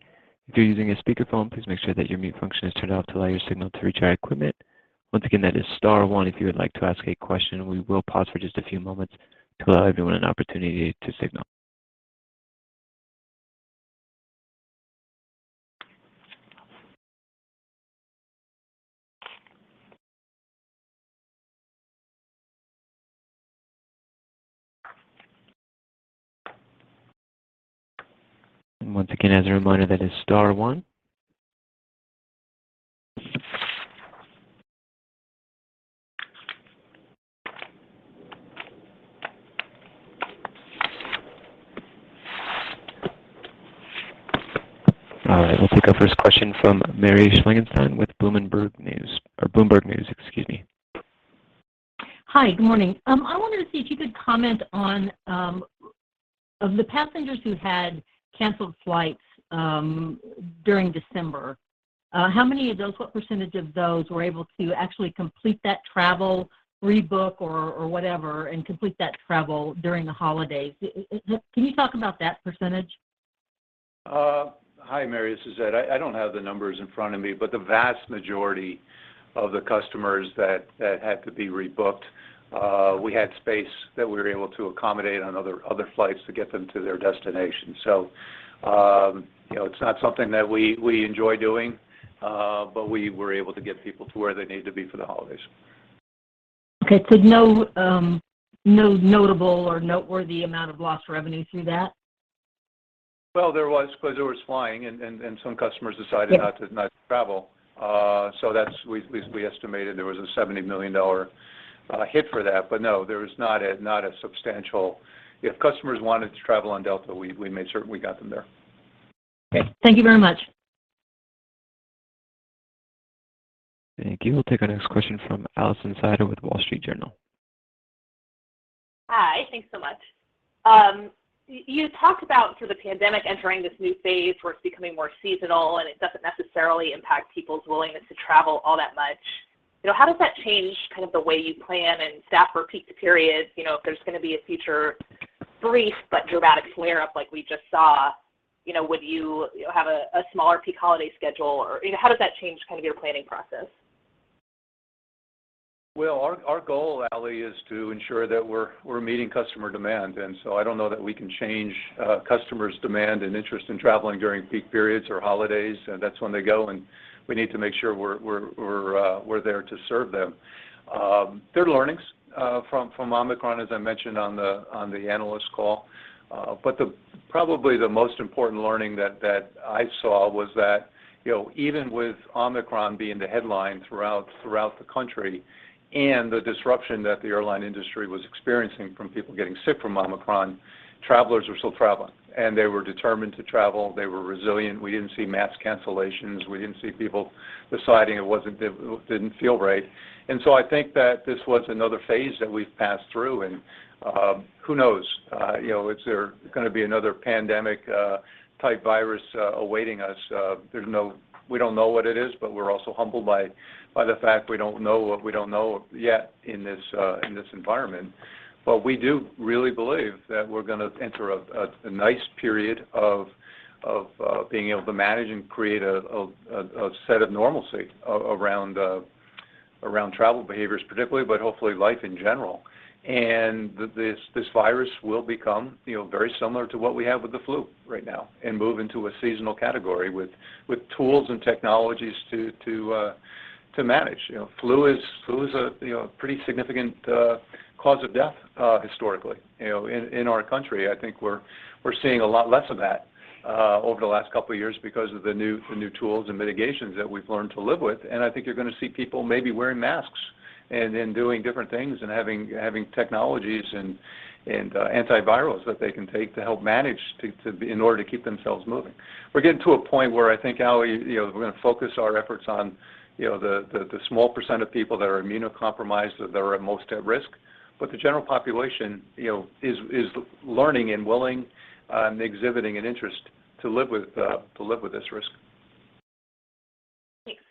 If you're using a speakerphone, please make sure that your mute function is turned off to allow your signal to reach our equipment. Once again, that is star one if you would like to ask a question. We will pause for just a few moments to allow everyone an opportunity to signal. Once again, as a reminder, that is star one. All right, we'll take our first question from Mary Schlangenstein with Bloomberg News, or Bloomberg News, excuse me. Hi. Good morning. I wanted to see if you could comment on the passengers who had canceled flights during December, how many of those, what percentage of those were able to actually complete that travel, rebook or whatever and complete that travel during the holidays? Can you talk about that percentage? Hi, Mary. This is Ed. I don't have the numbers in front of me, but the vast majority of the customers that had to be rebooked, we had space that we were able to accommodate on other flights to get them to their destination. You know, it's not something that we enjoy doing, but we were able to get people to where they needed to be for the holidays. Okay. No notable or noteworthy amount of lost revenue through that? Well, there was because there was flying and some customers decided- Yep. not to travel. We estimated there was a $70 million hit for that. No, there was not a substantial. If customers wanted to travel on Delta, we made sure we got them there. Okay. Thank you very much. Thank you. We'll take our next question from Alison Sider with Wall Street Journal. Hi. Thanks so much. You talked about sort of the pandemic entering this new phase where it's becoming more seasonal, and it doesn't necessarily impact people's willingness to travel all that much. You know, how does that change kind of the way you plan and staff for peak periods, you know, if there's gonna be a future brief but dramatic flare up like we just saw. You know, would you know, have a smaller peak holiday schedule? Or, you know, how does that change kind of your planning process? Well, our goal, Alie, is to ensure that we're meeting customer demand. I don't know that we can change customers' demand and interest in traveling during peak periods or holidays. That's when they go, and we need to make sure we're there to serve them. There are learnings from Omicron, as I mentioned on the analyst call. Probably the most important learning that I saw was that, you know, even with Omicron being the headline throughout the country and the disruption that the airline industry was experiencing from people getting sick from Omicron, travelers were still traveling. They were determined to travel. They were resilient. We didn't see mass cancellations. We didn't see people deciding it didn't feel right. I think that this was another phase that we've passed through. Who knows? You know, is there gonna be another pandemic type virus awaiting us? We don't know what it is, but we're also humbled by the fact we don't know what we don't know yet in this environment. We do really believe that we're gonna enter a nice period of being able to manage and create a set of normalcy around travel behaviors particularly, but hopefully life in general. This virus will become, you know, very similar to what we have with the flu right now and move into a seasonal category with tools and technologies to manage. You know, flu is a you know, pretty significant cause of death historically, you know, in our country. I think we're seeing a lot less of that over the last couple of years because of the new tools and mitigations that we've learned to live with. I think you're gonna see people maybe wearing masks and then doing different things and having technologies and antivirals that they can take to help manage in order to keep themselves moving. We're getting to a point where I think, Allie, you know, we're gonna focus our efforts on you know, the small percent of people that are immunocompromised, that are at most at risk. The general population, you know, is learning and willing, exhibiting an interest to live with this risk. Thanks.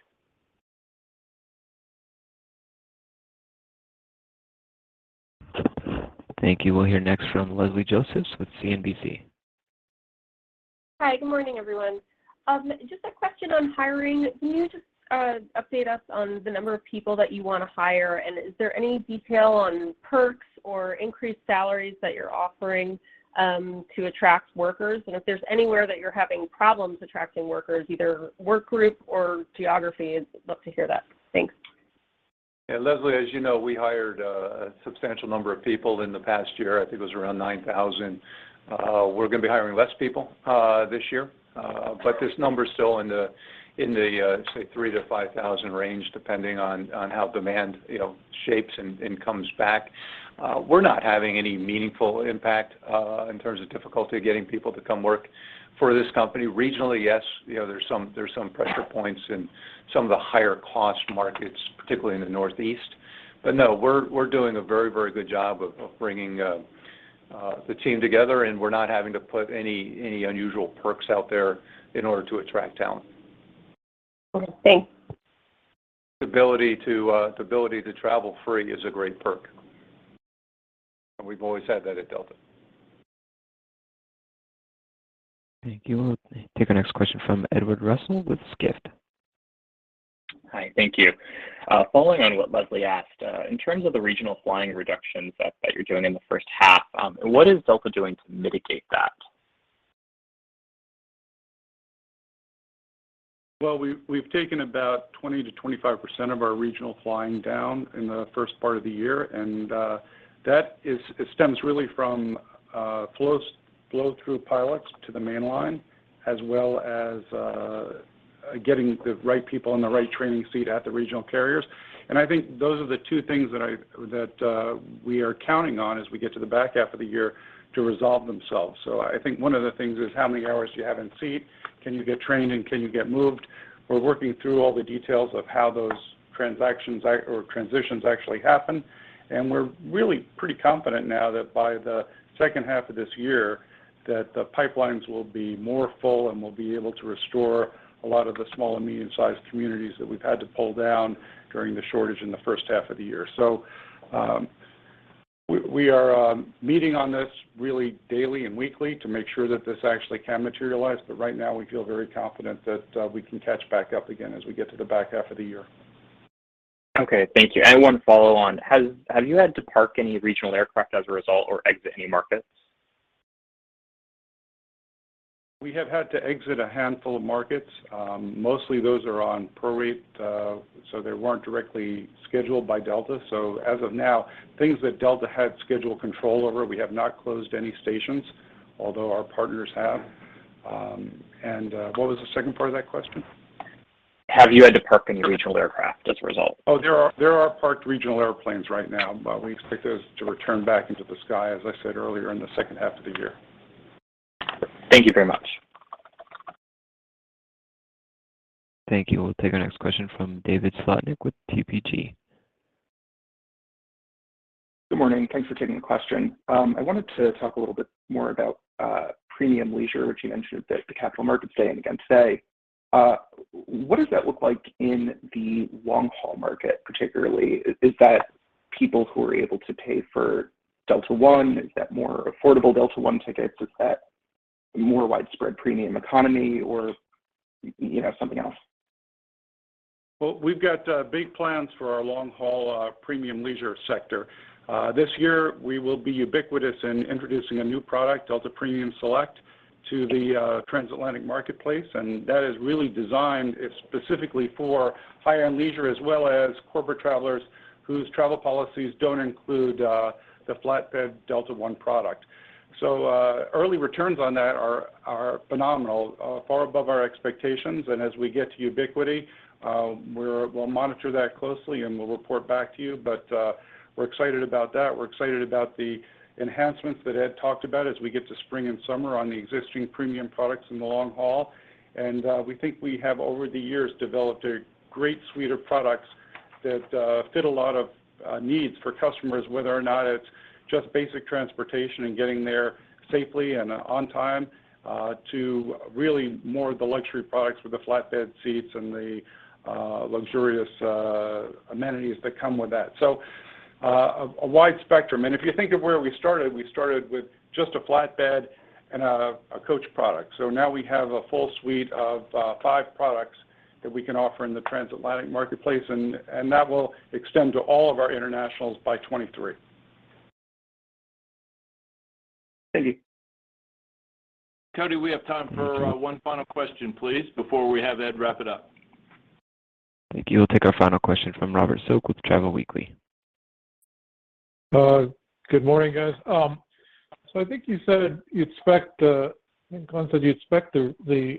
Thank you. We'll hear next from Leslie Josephs with CNBC. Hi. Good morning, everyone. Just a question on hiring. Can you just update us on the number of people that you wanna hire? And is there any detail on perks or increased salaries that you're offering to attract workers? And if there's anywhere that you're having problems attracting workers, either work group or geography, I'd love to hear that. Thanks. Yeah, Leslie, as you know, we hired a substantial number of people in the past year. I think it was around 9,000. We're gonna be hiring less people this year. But this number is still in the say 3,000-5,000 range, depending on how demand, you know, shapes and comes back. We're not having any meaningful impact in terms of difficulty getting people to come work for this company. Regionally, yes, you know, there's some pressure points in some of the higher cost markets, particularly in the Northeast. But no, we're doing a very good job of bringing the team together, and we're not having to put any unusual perks out there in order to attract talent. Okay, thanks. The ability to travel free is a great perk. We've always had that at Delta. Thank you. We'll take our next question from Edward Russell with Skift. Hi. Thank you. Following on what Leslie asked, in terms of the regional flying reductions that you're doing in the first half, what is Delta doing to mitigate that? Well, we've taken about 20%-25% of our regional flying down in the first part of the year, and that is it stems really from flow through pilots to the mainline, as well as getting the right people in the right training seat at the regional carriers. I think those are the two things that we are counting on as we get to the back half of the year to resolve themselves. I think one of the things is how many hours do you have in seat? Can you get trained, and can you get moved? We're working through all the details of how those transactions or transitions actually happen. We're really pretty confident now that by the second half of this year, that the pipelines will be more full, and we'll be able to restore a lot of the small and medium-sized communities that we've had to pull down during the shortage in the first half of the year. We are meeting on this really daily and weekly to make sure that this actually can materialize. Right now, we feel very confident that we can catch back up again as we get to the back half of the year. Okay, thank you. One follow on. Have you had to park any regional aircraft as a result or exit any markets? We have had to exit a handful of markets. Mostly those are on prorate, they weren't directly scheduled by Delta. As of now, things that Delta had schedule control over, we have not closed any stations, although our partners have. What was the second part of that question? Have you had to park any regional aircraft as a result? Oh, there are parked regional airplanes right now, but we expect those to return back into the sky, as I said earlier, in the second half of the year. Thank you very much. Thank you. We'll take our next question from David Slotnick with TPG. Good morning. Thanks for taking the question. I wanted to talk a little bit more about premium leisure, which you mentioned at the Capital Markets Day and again today. What does that look like in the long-haul market particularly? Is that people who are able to pay for Delta One? Is that more affordable Delta One tickets? Is that more widespread premium economy or, you know, something else? Well, we've got big plans for our long-haul premium leisure sector. This year we will be ubiquitous in introducing a new product, Delta Premium Select, to the transatlantic marketplace, and that is really designed specifically for high-end leisure as well as corporate travelers whose travel policies don't include the flatbed Delta One product. Early returns on that are phenomenal, far above our expectations. As we get to ubiquity, we'll monitor that closely, and we'll report back to you. We're excited about that. We're excited about the enhancements that Ed talked about as we get to spring and summer on the existing premium products in the long haul. We think we have, over the years, developed a great suite of products that fit a lot of needs for customers, whether or not it's just basic transportation and getting there safely and on time, to the more luxury products with the flatbed seats and the luxurious amenities that come with that. A wide spectrum. If you think of where we started, we started with just a flatbed and a coach product. Now we have a full suite of five products that we can offer in the transatlantic marketplace. That will extend to all of our internationals by 2023. Thank you. Cody, we have time for one final question, please, before we have Ed wrap it up. Thank you. We'll take our final question from Robert Silk with Travel Weekly. Good morning, guys. I think you said you expect. I think Glen said you expect the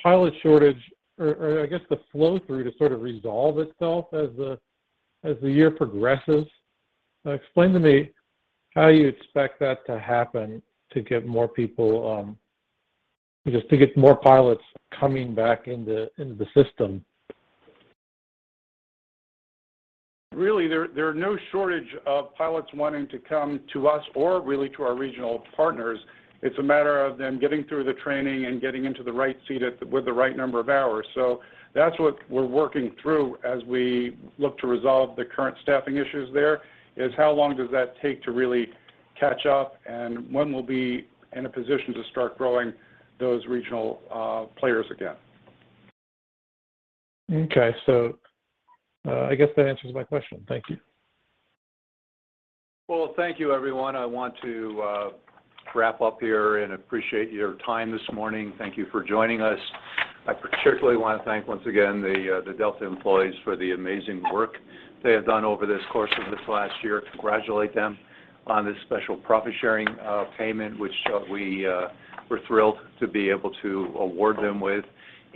pilot shortage or I guess the flow-through to sort of resolve itself as the year progresses. Now explain to me how you expect that to happen to get more people, just to get more pilots coming back into the system. Really, there are no shortage of pilots wanting to come to us or really to our regional partners. It's a matter of them getting through the training and getting into the right seat with the right number of hours. That's what we're working through as we look to resolve the current staffing issues there, is how long does that take to really catch up and when we'll be in a position to start growing those regional players again. Okay. I guess that answers my question. Thank you. Well, thank you everyone. I want to wrap up here and appreciate your time this morning. Thank you for joining us. I particularly want to thank once again the Delta employees for the amazing work they have done over this course of this last year, congratulate them on this special profit-sharing payment, which we're thrilled to be able to award them with.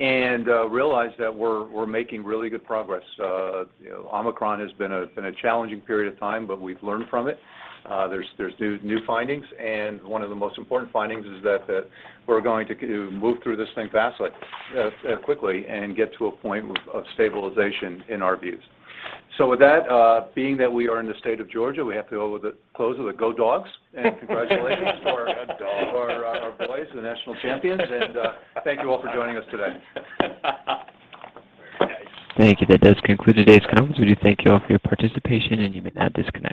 I realize that we're making really good progress. You know, Omicron has been a challenging period of time, but we've learned from it. There's new findings, and one of the most important findings is that we're going to move through this thing quickly and get to a point of stabilization in our views. With that, being that we are in the state of Georgia, we have to close with a GoDawgs, and congratulations for our boys, the national champions. Thank you all for joining us today. Thank you. That does conclude today's conference. We do thank you all for your participation, and you may now disconnect.